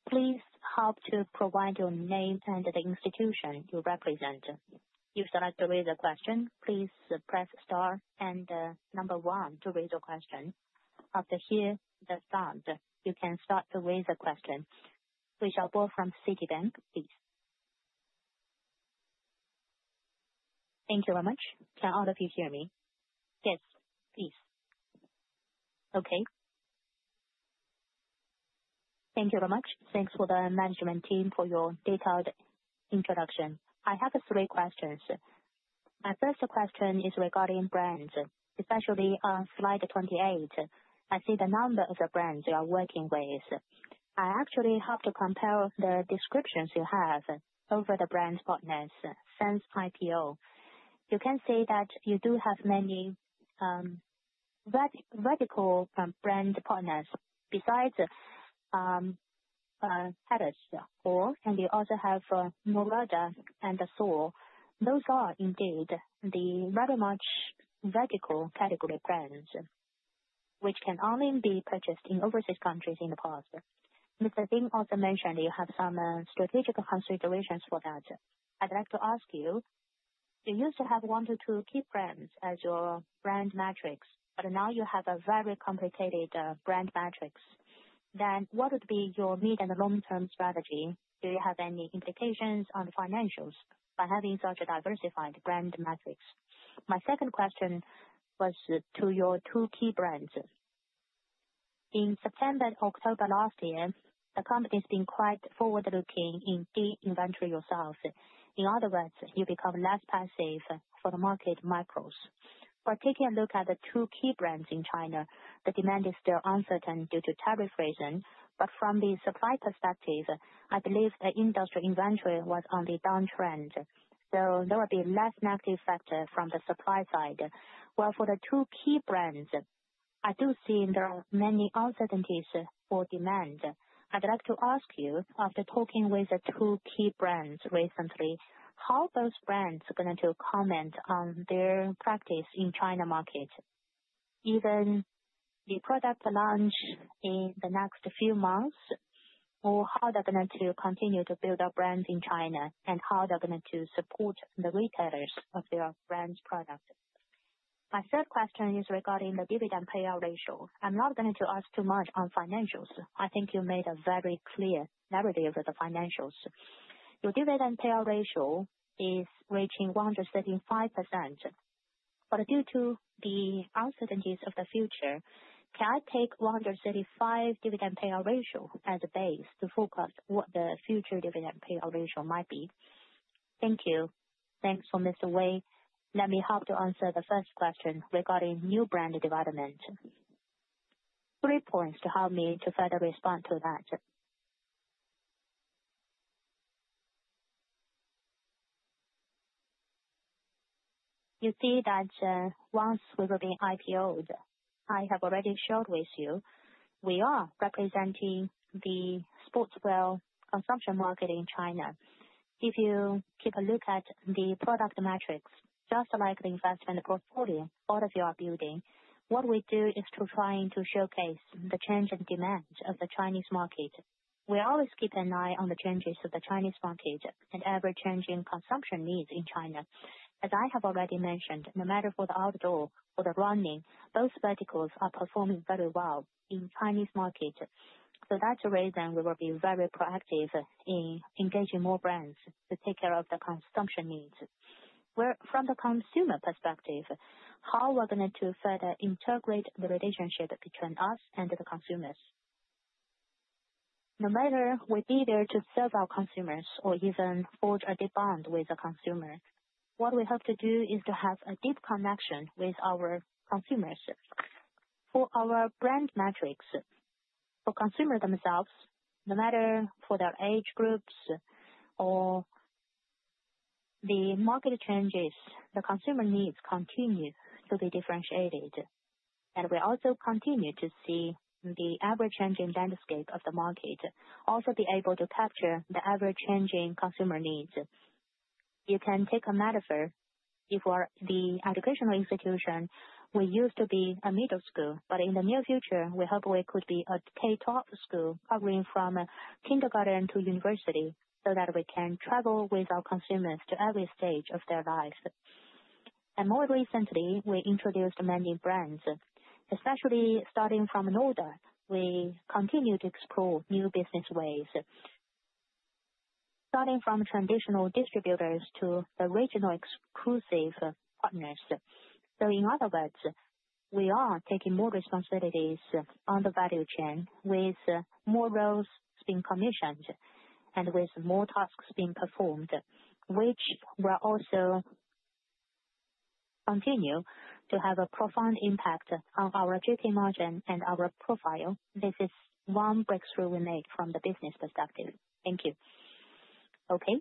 Please help to provide your name and the institution you represent. You select to raise a question. Please press star and number one to raise your question. After hearing the sound, you can start to raise a question. We shall go from Citibank, please. Thank you very much. Can all of you hear me? Yes, please. Okay. Thank you very much. Thanks for the management team for your detailed introduction. I have three questions. My first question is regarding brands, especially on slide 28. I see the number of the brands you are working with. I actually help to compare the descriptions you have over the brand partners since IPO. You can see that you do have many vertical brand partners. Besides [PandaScore], and you also have Norrøna and SOAR. Those are indeed the very much vertical category brands, which can only be purchased in overseas countries in the past. Mr. Ding also mentioned you have some strategic considerations for that. I'd like to ask you, you used to have one to two key brands as your brand metrics, but now you have a very complicated brand metrics. Then, what would be your mid and long-term strategy? Do you have any implications on financials by having such a diversified brand metrics? My second question was to your two key brands. In September and October last year, the company has been quite forward-looking in de-inventory yourself. In other words, you become less passive for the market macros. By taking a look at the two key brands in China, the demand is still uncertain due to tariff reason, but from the supply perspective, I believe the industry inventory was on the downtrend, so there will be less negative factor from the supply side. For the two key brands, I do see there are many uncertainties for demand. I'd like to ask you, after talking with the two key brands recently, how are those brands going to comment on their practice in China market? Even the product launch in the next few months, or how they're going to continue to build up brands in China and how they're going to support the retailers of their brand's product. My third question is regarding the dividend payout ratio. I'm not going to ask too much on financials. I think you made a very clear narrative of the financials. Your dividend payout ratio is reaching 135%, but due to the uncertainties of the future, can I take 135% dividend payout ratio as a base to focus what the future dividend payout ratio might be? Thank you. Thanks for Mr. Wei. Let me help to answer the first question regarding new brand development. Three points to help me to further respond to that. You see that once we will be IPOed, I have already shared with you, we are representing the sportswear consumption market in China. If you keep a look at the product metrics, just like the investment portfolio all of you are building, what we do is to try to showcase the change in demand of the Chinese market. We always keep an eye on the changes of the Chinese market and ever-changing consumption needs in China. As I have already mentioned, no matter for the outdoor or the running, both verticals are performing very well in the Chinese market. That's the reason we will be very proactive in engaging more brands to take care of the consumption needs. From the consumer perspective, how are we going to further integrate the relationship between us and the consumers? No matter if we're eager to serve our consumers or even forge a deep bond with a consumer, what we have to do is to have a deep connection with our consumers. For our brand metrics, for consumers themselves, no matter for their age groups or the market changes, the consumer needs continue to be differentiated. We also continue to see the ever-changing landscape of the market also be able to capture the ever-changing consumer needs. You can take a metaphor. If we're the educational institution, we used to be a middle school, but in the near future, we hope we could be a K-12 school, covering from kindergarten to university, so that we can travel with our consumers to every stage of their lives. More recently, we introduced many brands, especially starting from Nuda. We continue to explore new business ways, starting from traditional distributors to the regional exclusive partners. In other words, we are taking more responsibilities on the value chain with more roles being commissioned and with more tasks being performed, which will also continue to have a profound impact on our GP margin and our profile. This is one breakthrough we made from the business perspective. Thank you. Okay.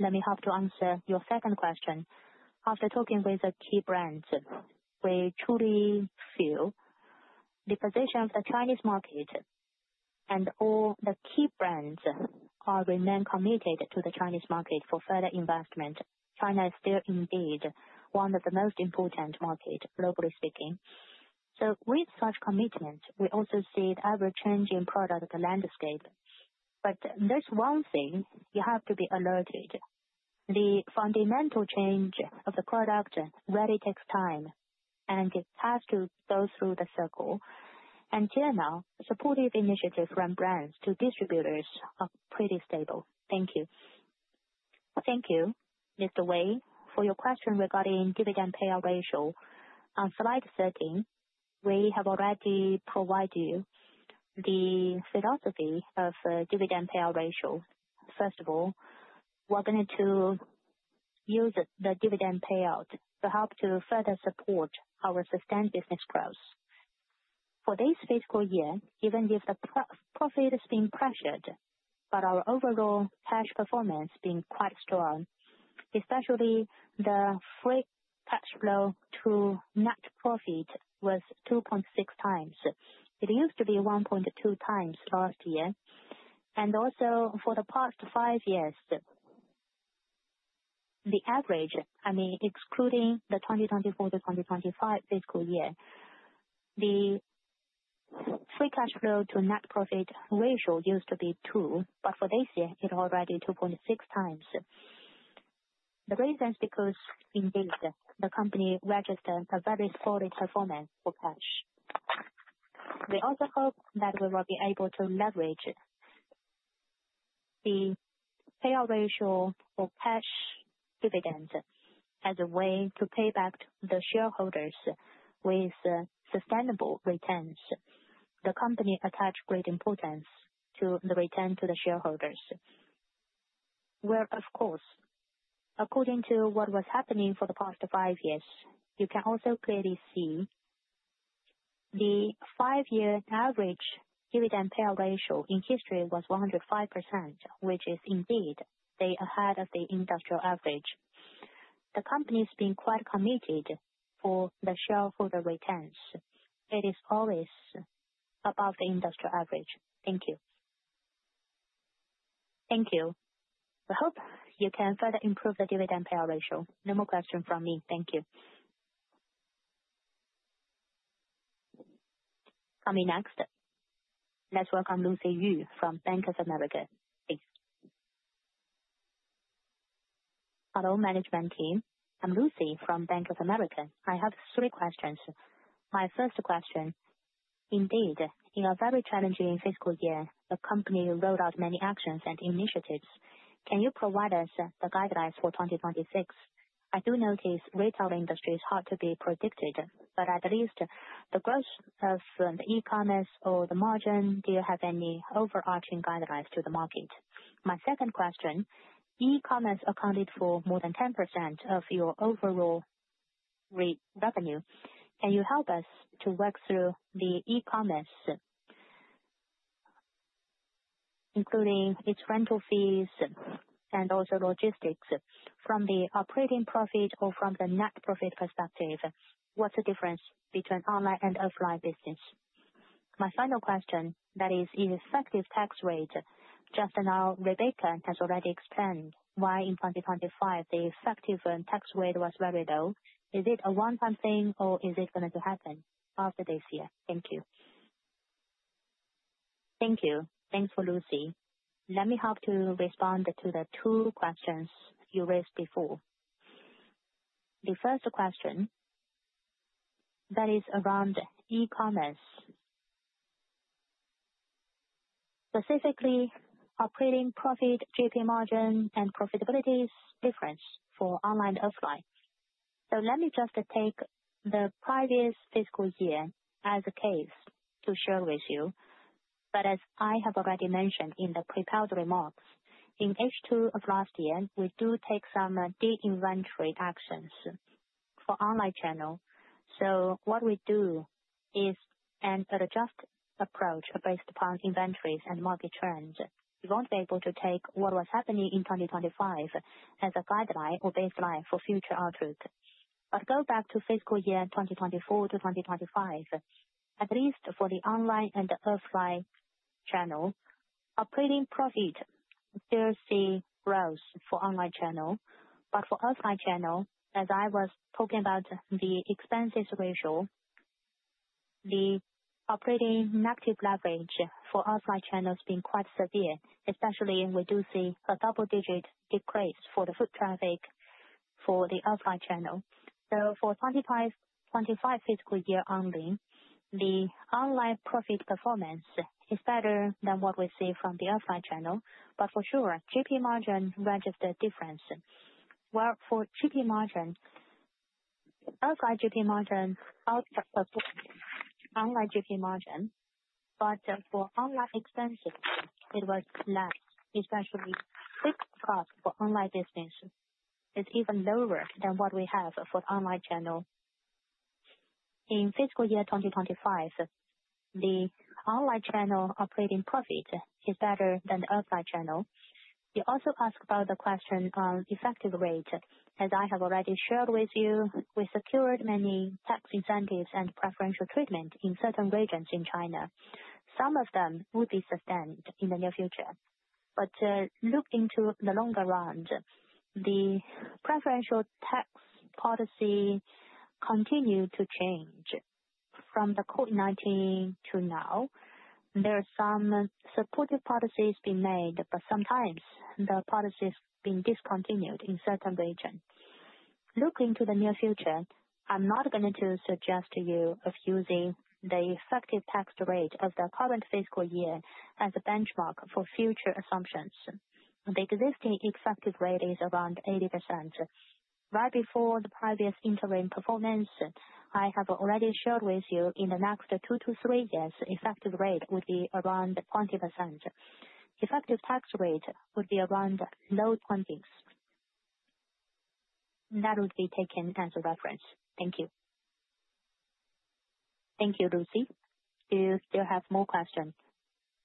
Let me help to answer your second question. After talking with the key brands, we truly feel the position of the Chinese market and all the key brands remain committed to the Chinese market for further investment. China is still indeed one of the most important markets, globally speaking. With such commitment, we also see the ever-changing product landscape. There is one thing you have to be alerted. The fundamental change of the product really takes time and has to go through the circle. Until now, supportive initiatives from brands to distributors are pretty stable. Thank you. Thank you, Mr. Wei, for your question regarding dividend payout ratio. On slide 13, we have already provided you the philosophy of dividend payout ratio. First of all, we're going to use the dividend payout to help to further support our sustained business growth. For this fiscal year, even if the profit has been pressured, our overall cash performance has been quite strong, especially the free cash flow to net profit was 2.6 times. It used to be 1.2 times last year. Also, for the past five years, the average, I mean, excluding the 2024-2025 fiscal year, the free cash flow to net profit ratio used to be 2, but for this year, it's already 2.6 times. The reason is because indeed the company registered a very solid performance for cash. We also hope that we will be able to leverage the payout ratio or cash dividend as a way to pay back the shareholders with sustainable returns. The company attaches great importance to the return to the shareholders. Where, of course, according to what was happening for the past five years, you can also clearly see the five-year average dividend payout ratio in history was 105%, which is indeed ahead of the industrial average. The company has been quite committed for the shareholder returns. It is always above the industrial average. Thank you. Thank you. I hope you can further improve the dividend payout ratio. No more questions from me. Thank you. Coming next, let's welcome Lucy Yu from Bank of America. Thanks. Hello, management team. I'm Lucy from Bank of America. I have three questions. My first question. Indeed, in a very challenging fiscal year, the company rolled out many actions and initiatives. Can you provide us the guidelines for 2026? I do notice retail industry is hard to be predicted, but at least the growth of the e-commerce or the margin, do you have any overarching guidelines to the market? My second question. E-commerce accounted for more than 10% of your overall revenue. Can you help us to work through the e-commerce, including its rental fees and also logistics? From the operating profit or from the net profit perspective, what's the difference between online and offline business? My final question, that is, is the effective tax rate? Just now, Rebecca has already explained why in 2025 the effective tax rate was very low. Is it a one-time thing, or is it going to happen after this year? Thank you. Thank you. Thanks for Lucy. Let me help to respond to the two questions you raised before. The first question, that is around e-commerce, specifically operating profit, GP margin, and profitability difference for online and offline. Let me just take the previous fiscal year as a case to share with you. As I have already mentioned in the prepared remarks, in H2 of last year, we do take some de-inventory actions for online channel. What we do is an adjusted approach based upon inventories and market trends. We will not be able to take what was happening in 2025 as a guideline or baseline for future outlook. Go back to fiscal year 2024-2025, at least for the online and offline channel, operating profit still sees growth for online channel. For offline channel, as I was talking about the expenses ratio, the operating negative leverage for offline channel has been quite severe, especially we do see a double-digit decrease for the foot traffic for the offline channel. For 2025 fiscal year only, the online profit performance is better than what we see from the offline channel. GP margin registers difference. For GP margin, outside GP margin, outside GP margin, for online expenses, it was less, especially fixed cost for online business. It's even lower than what we have for the online channel. In fiscal year 2025, the online channel operating profit is better than the offline channel. You also asked about the question on effective rate. As I have already shared with you, we secured many tax incentives and preferential treatment in certain regions in China. Some of them will be sustained in the near future. Looking into the longer run, the preferential tax policy continued to change from the COVID-19 to now. There are some supportive policies being made, but sometimes the policy has been discontinued in certain regions. Looking to the near future, I'm not going to suggest to you of using the effective tax rate of the current fiscal year as a benchmark for future assumptions. The existing effective rate is around 8%. Right before the previous interim performance, I have already shared with you in the next two to three years, the effective rate would be around 20%. Effective tax rate would be around low 20s. That would be taken as a reference. Thank you. Thank you, Lucy. Do you still have more questions?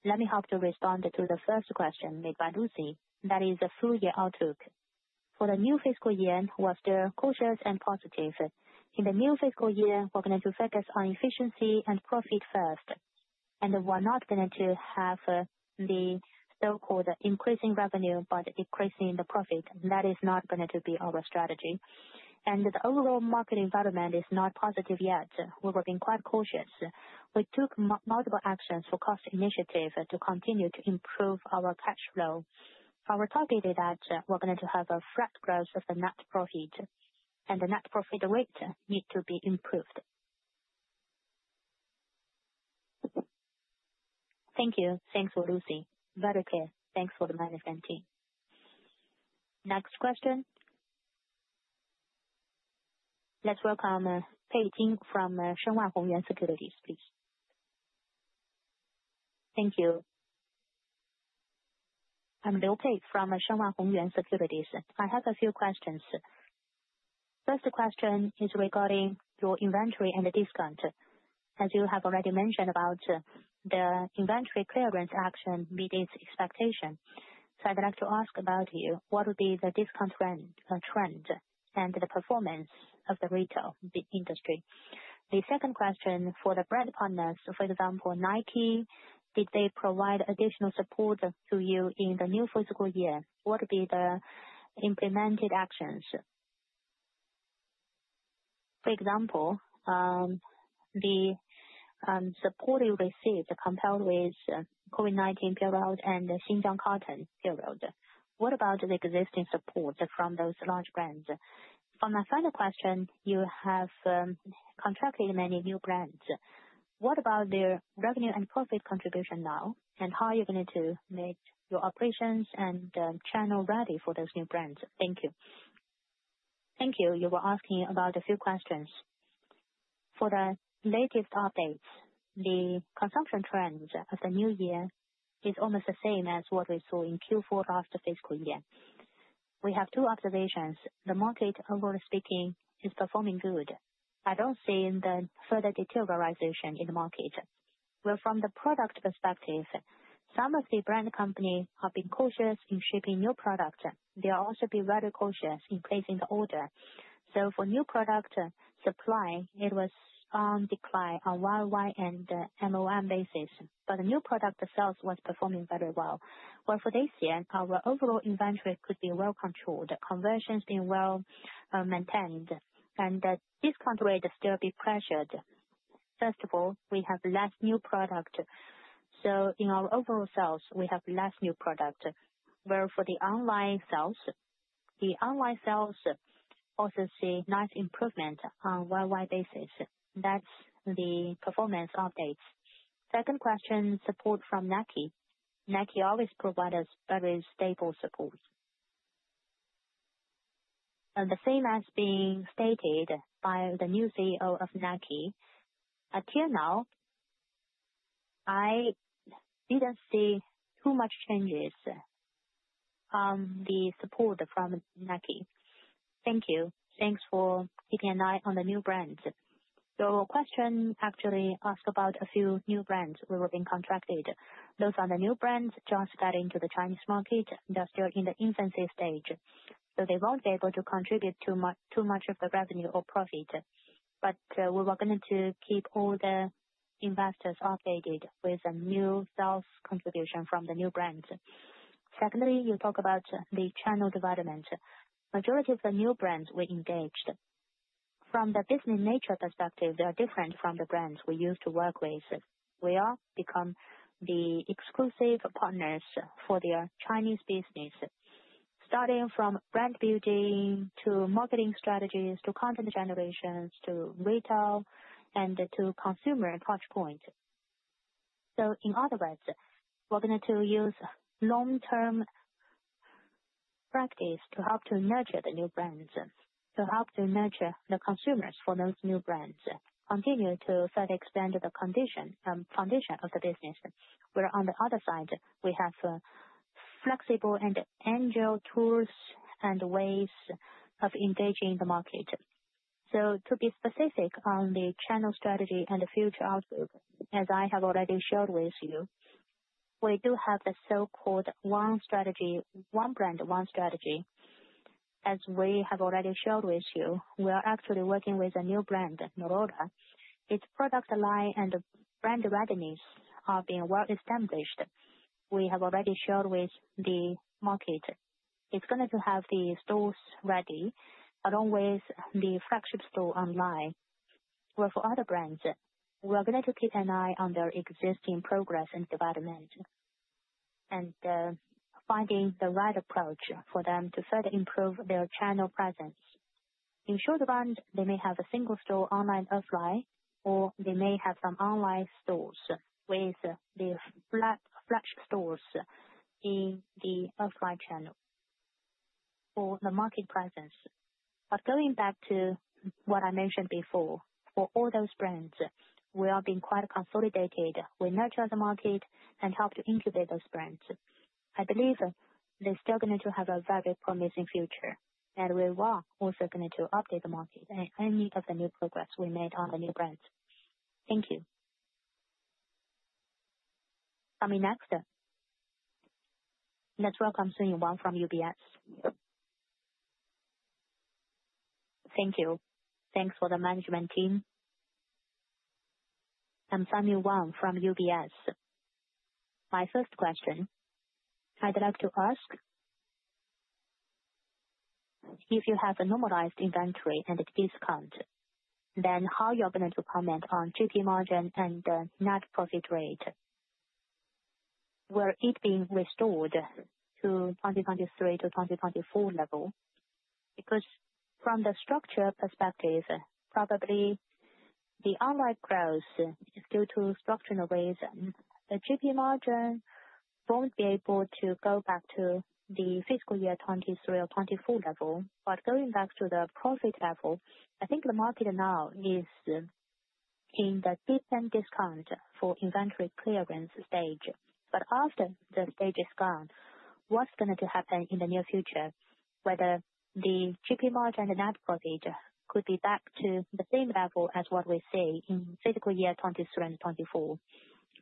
Let me help to respond to the first question made by Lucy, that is a full year outlook. For the new fiscal year, what's the cautious and positive? In the new fiscal year, we're going to focus on efficiency and profit first. We're not going to have the so-called increasing revenue but decreasing the profit. That is not going to be our strategy. The overall market environment is not positive yet. We're working quite cautiously. We took multiple actions for cost initiative to continue to improve our cash flow. Our target is that we're going to have a flat growth of the net profit. The net profit rate needs to be improved. Thank you. Thanks for Lucy. Very clear. Thanks for the management team. Next question. Let's welcome Pei Jing from Shenwan Hongyuan Securities, please. Thank you. I'm Liu Pei from Shenwan Hongyuan Securities. I have a few questions. First question is regarding your inventory and the discount. As you have already mentioned about the inventory clearance action meeting expectation. I would like to ask about you, what would be the discount trend and the performance of the retail industry? The second question for the brand partners, for example, Nike, did they provide additional support to you in the new fiscal year? What would be the implemented actions? For example, the support you received compared with COVID-19 period and the Xinjiang cotton period. What about the existing support from those large brands? For my final question, you have contracted many new brands. What about their revenue and profit contribution now? How are you going to make your operations and channel ready for those new brands? Thank you. Thank you. You were asking about a few questions. For the latest updates, the consumption trends of the new year are almost the same as what we saw in Q4 last fiscal year. We have two observations. The market, overall speaking, is performing good. I do not see the further detailed realization in the market. From the product perspective, some of the brand companies have been cautious in shipping new products. They will also be very cautious in placing the order. For new product supply, it was on decline on year-over-year and month-over-month basis. The new product itself was performing very well. For this year, our overall inventory could be well controlled, conversions being well maintained, and the discount rate is still being pressured. First of all, we have less new product. In our overall sales, we have less new product. For the online sales, the online sales also see nice improvement on year-over-year basis. That's the performance updates. Second question, support from Nike. Nike always provides us very stable support. The same as being stated by the new CEO of Nike. Until now, I didn't see too much changes on the support from Nike. Thank you. Thanks for keeping an eye on the new brands. Your question actually asked about a few new brands we were being contracted. Those are the new brands just getting to the Chinese market. They're still in the infancy stage. They won't be able to contribute too much of the revenue or profit. We were going to keep all the investors updated with new sales contributions from the new brands. Secondly, you talk about the channel development. The majority of the new brands we engaged, from the business nature perspective, they are different from the brands we used to work with. We all become the exclusive partners for their Chinese business, starting from brand building to marketing strategies to content generations to retail and to consumer touchpoint. In other words, we're going to use long-term practice to help to nurture the new brands, to help to nurture the consumers for those new brands, continue to further expand the foundation of the business. Where on the other side, we have flexible and agile tools and ways of engaging the market. To be specific on the channel strategy and the future outlook, as I have already shared with you, we do have the so-called one strategy, one brand, one strategy. As we have already shared with you, we are actually working with a new brand, Mirola. Its product line and brand readiness are being well established. We have already shared with the market. is going to have the stores ready, along with the flagship store online. For other brands, we are going to keep an eye on their existing progress and development and finding the right approach for them to further improve their channel presence. In the short run, they may have a single store online offline, or they may have some online stores with the flagship stores in the offline channel for the market presence. Going back to what I mentioned before, for all those brands, we are being quite consolidated. We nurture the market and help to incubate those brands. I believe they are still going to have a very promising future. We are also going to update the market and any of the new progress we made on the new brands. Thank you. Coming next, let's welcome Sun Yue from UBS. Thank you. Thanks for the management team. I'm Sun Yuan from UBS. My first question, I'd like to ask, if you have a normalized inventory and discount, then how are you going to comment on GP margin and net profit rate? Were it being restored to 2023 to 2024 level? Because from the structure perspective, probably the online growth is due to structural reasons. The GP margin won't be able to go back to the fiscal year 2023 or 2024 level. Going back to the profit level, I think the market now is in the deepened discount for inventory clearance stage. After the stage is gone, what's going to happen in the near future? Whether the GP margin and net profit could be back to the same level as what we see in fiscal year 2023 and 2024.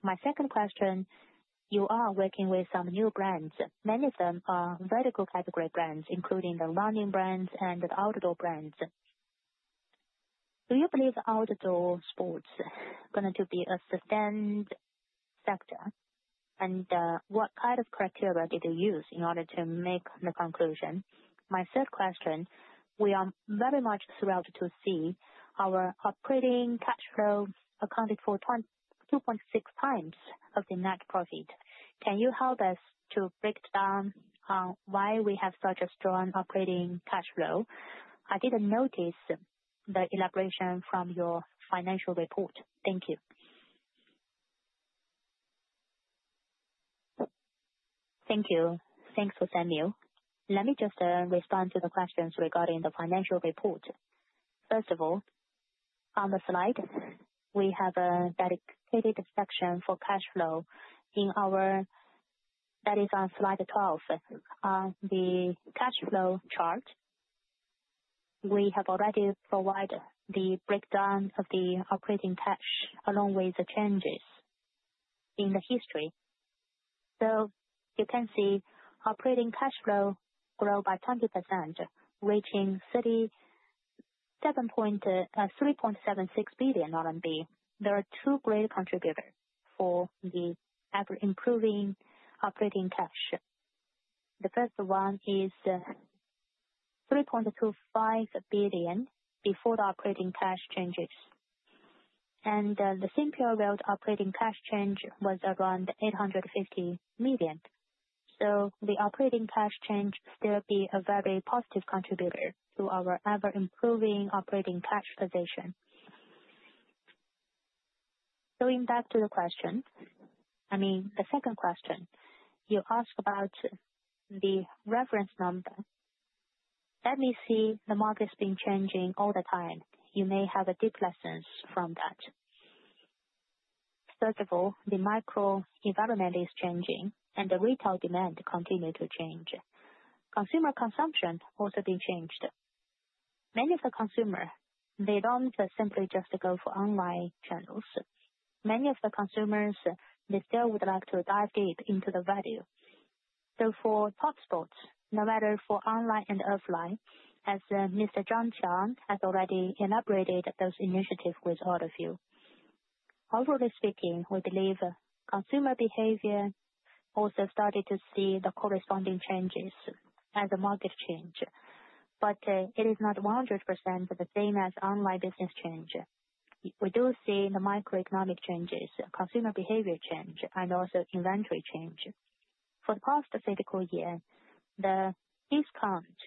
My second question, you are working with some new brands. Many of them are vertical category brands, including the running brands and the outdoor brands. Do you believe outdoor sports are going to be a sustained sector? What kind of criteria did you use in order to make the conclusion? My third question, we are very much thrilled to see our operating cash flow accounted for 2.6 times the net profit. Can you help us to break down why we have such a strong operating cash flow? I did not notice the elaboration from your financial report. Thank you. Thank you. Thanks for Sun Yue. Let me just respond to the questions regarding the financial report. First of all, on the slide, we have a dedicated section for cash flow that is on slide 12. The cash flow chart, we have already provided the breakdown of the operating cash along with the changes in the history. You can see operating cash flow grew by 20%, reaching 3.76 billion RMB. There are two great contributors for the improving operating cash. The first one is 3.25 billion before the operating cash changes. The CPR World operating cash change was around 850 million. The operating cash change is still a very positive contributor to our ever-improving operating cash position. Going back to the question, I mean, the second question, you asked about the reference number. Let me see, the markets are changing all the time. You may have a deep lesson from that. First of all, the micro-environment is changing, and the retail demand continues to change. Consumer consumption also has been changed. Many of the consumers, they do not simply just go for online channels. Many of the consumers, they still would like to dive deep into the value. For Topsports, no matter for online and offline, as Mr. Zhang Qiang has already elaborated those initiatives with all of you. Overall speaking, we believe consumer behavior also started to see the corresponding changes as the market change. It is not 100% the same as online business change. We do see the microeconomic changes, consumer behavior change, and also inventory change. For the past fiscal year, the discount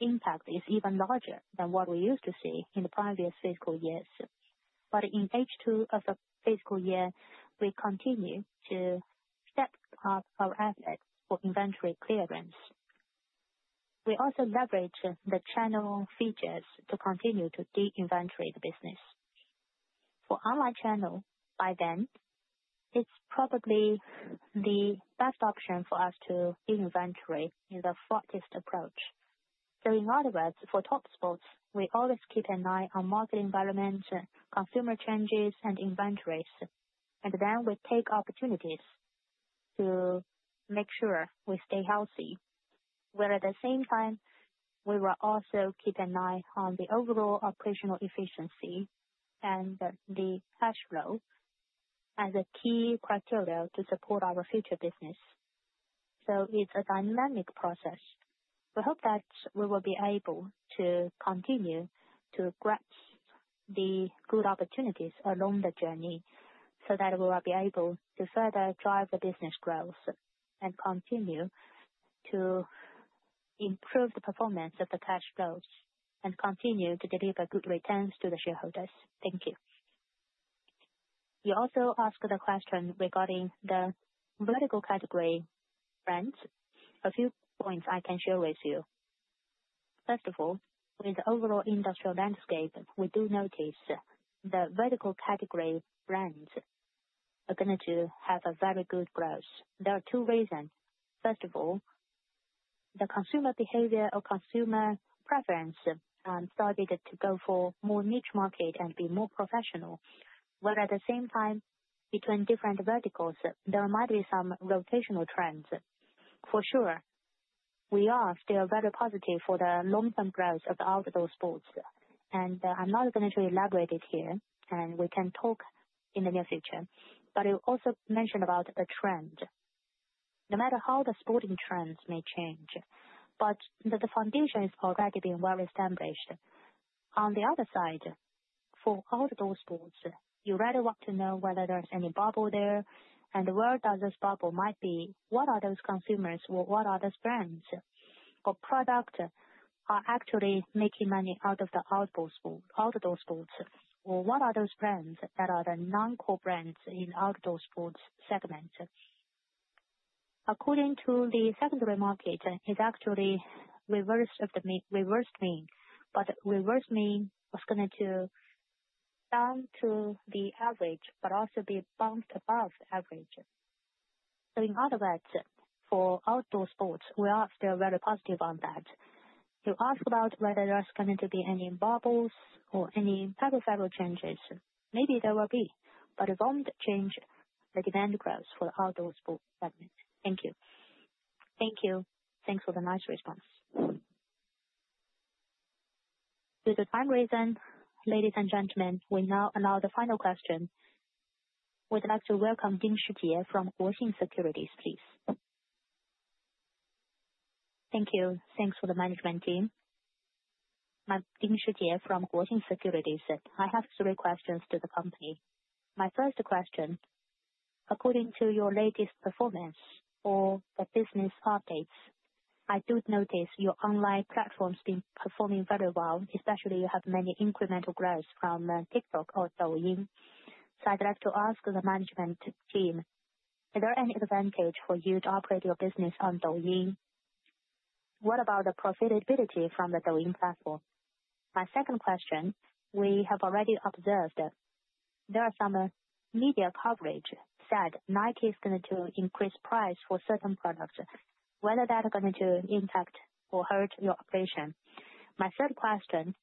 impact is even larger than what we used to see in the previous fiscal years. In phase two of the fiscal year, we continue to step up our effort for inventory clearance. We also leverage the channel features to continue to de-inventory the business. For online channel, by then, it is probably the best option for us to de-inventory in the fastest approach. In other words, for Topsports, we always keep an eye on market environment, consumer changes, and inventories. Then we take opportunities to make sure we stay healthy. At the same time, we will also keep an eye on the overall operational efficiency and the cash flow as a key criteria to support our future business. It is a dynamic process. We hope that we will be able to continue to grasp the good opportunities along the journey so that we will be able to further drive the business growth and continue to improve the performance of the cash flows and continue to deliver good returns to the shareholders. Thank you. You also asked the question regarding the vertical category brands. A few points I can share with you. First of all, with the overall industrial landscape, we do notice the vertical category brands are going to have a very good growth. There are two reasons. First of all, the consumer behavior or consumer preference started to go for more niche market and be more professional. At the same time, between different verticals, there might be some rotational trends. For sure, we are still very positive for the long-term growth of the outdoor sports. I'm not going to elaborate it here, and we can talk in the near future. I also mentioned about the trend. No matter how the sporting trends may change, the foundation has already been well established. On the other side, for outdoor sports, you really want to know whether there's any bubble there. Where does this bubble might be? What are those consumers? What are those brands or products actually making money out of the outdoor sports? Or what are those brands that are the non-core brands in outdoor sports segment? According to the secondary market, it is actually reversed mean. Reversed mean was going to bounce to the average, but also be bounced above the average. In other words, for outdoor sports, we are still very positive on that. You asked about whether there is going to be any bubbles or any peripheral changes. Maybe there will be. If only the change, the demand grows for the outdoor sports segment. Thank you. Thank you. Thanks for the nice response. Due to time reason, ladies and gentlemen, we now allow the final question. We would like to welcome Ding Shijie from Guosen Securities, please. Thank you. Thanks for the management team. Ding Shijie from Guosen Securities, I have three questions to the company. My first question, according to your latest performance or the business updates, I do notice your online platforms being performing very well, especially you have many incremental growth from TikTok or Douyin. I would like to ask the management team, is there any advantage for you to operate your business on Douyin? What about the profitability from the Douyin platform? My second question, we have already observed there are some media coverage said Nike is going to increase price for certain products. Whether that is going to impact or hurt your operation. My third question,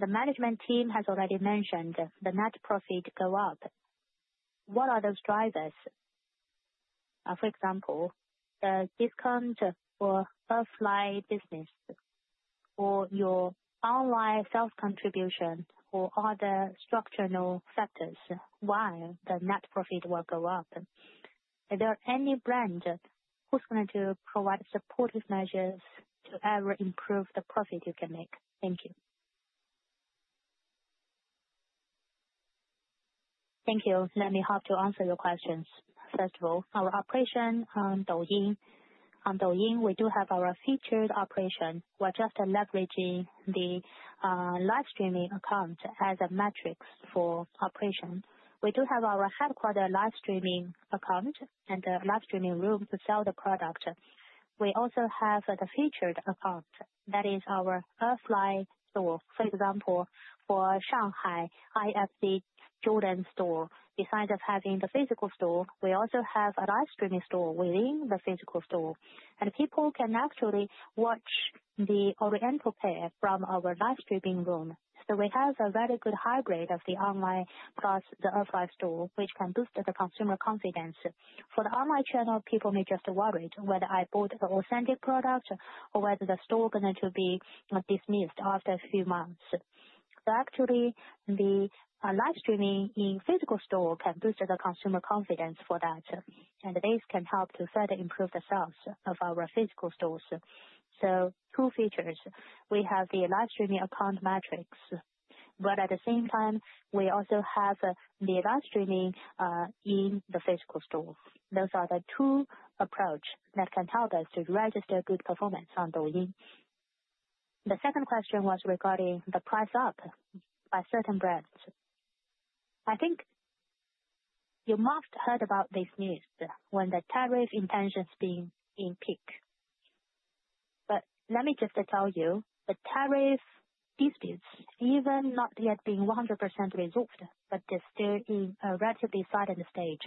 the management team has already mentioned the net profit go up. What are those drivers? For example, the discount for offline business or your online self-contribution or other structural factors why the net profit will go up. Is there any brand who is going to provide supportive measures to ever improve the profit you can make? Thank you. Thank you. Let me hop to answer your questions. First of all, our operation on Douyin. On Douyin, we do have our featured operation. We're just leveraging the live streaming account as a metric for operation. We do have our headquarter live streaming account and a live streaming room to sell the product. We also have the featured account. That is our offline store. For example, for Shanghai IFC Jordan store, besides having the physical store, we also have a live streaming store within the physical store. People can actually watch the oriental pair from our live streaming room. We have a very good hybrid of the online plus the offline store, which can boost the consumer confidence. For the online channel, people may just worry whether I bought the authentic product or whether the store is going to be dismissed after a few months. Actually, the live streaming in physical store can boost the consumer confidence for that. This can help to further improve the sales of our physical stores. Two features: we have the live streaming account metrics, but at the same time, we also have the live streaming in the physical store. Those are the two approaches that can help us to register good performance on Douyin. The second question was regarding the price up by certain brands. I think you must have heard about this news when the tariff intentions have been in peak. Let me just tell you, the tariff disputes have even not yet been 100% resolved, but they are still in a relatively silent stage.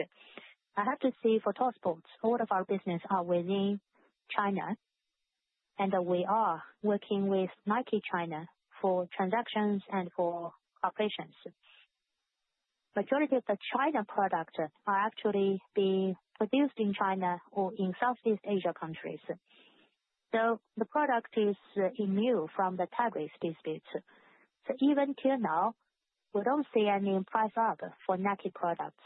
I have to say for Topsports, all of our businesses are within China, and we are working with Nike China for transactions and for operations. Majority of the China products are actually being produced in China or in Southeast Asia countries. The product is immune from the tariff disputes. Even till now, we do not see any price up for Nike products.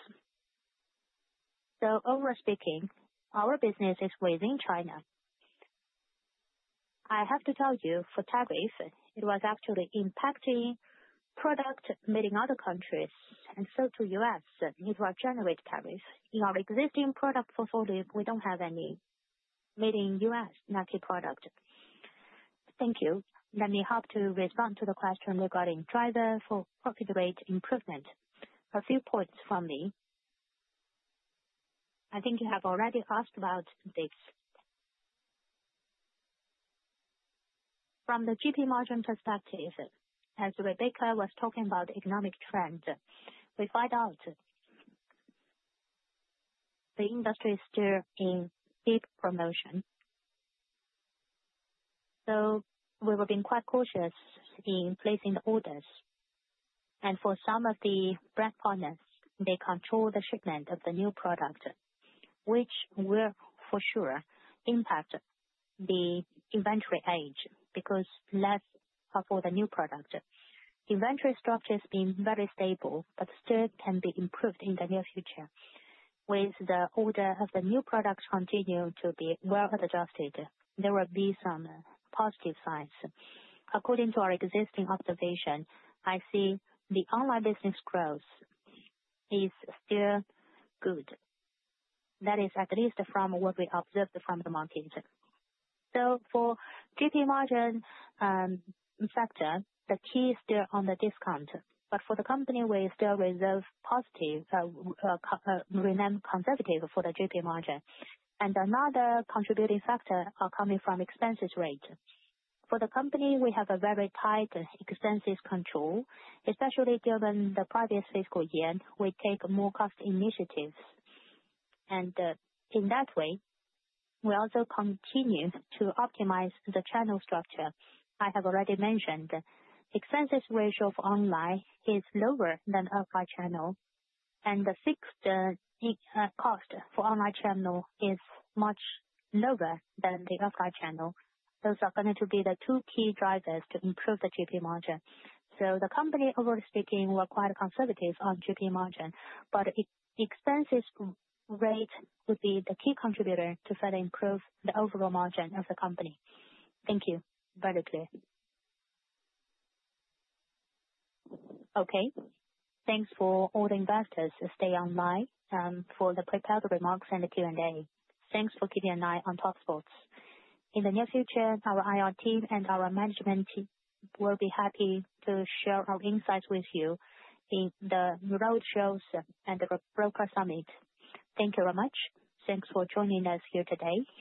Overall speaking, our business is within China. I have to tell you, for tariffs, it was actually impacting products made in other countries. To U.S., it will generate tariffs. In our existing product portfolio, we do not have any made in U.S. Nike product. Thank you. Let me hop to respond to the question regarding driver for profit rate improvement. A few points from me. I think you have already asked about this. From the GP margin perspective, as Rebecca was talking about economic trends, we find out the industry is still in deep promotion. We will be quite cautious in placing the orders. For some of the brand partners, they control the shipment of the new product, which will for sure impact the inventory age because less for the new product. Inventory structure has been very stable, but still can be improved in the near future. With the order of the new products continuing to be well adjusted, there will be some positive signs. According to our existing observation, I see the online business growth is still good. That is at least from what we observed from the market. For GP margin factor, the key is still on the discount. For the company, we still reserve positive renown conservative for the GP margin. Another contributing factor is coming from expenses rate. For the company, we have a very tight expenses control, especially given the previous fiscal year, we take more cost initiatives. In that way, we also continue to optimize the channel structure. I have already mentioned expenses ratio for online is lower than offline channel. The fixed cost for online channel is much lower than the offline channel. Those are going to be the two key drivers to improve the GP margin. The company, overall speaking, were quite conservative on GP margin. Expenses rate would be the key contributor to further improve the overall margin of the company. Thank you. Very clear. Okay. Thanks for all the investors to stay online for the prepared remarks and the Q&A. Thanks for keeping an eye on Topsports. In the near future, our IR team and our management team will be happy to share our insights with you in the roadshows and the broker summit. Thank you very much. Thanks for joining us here today.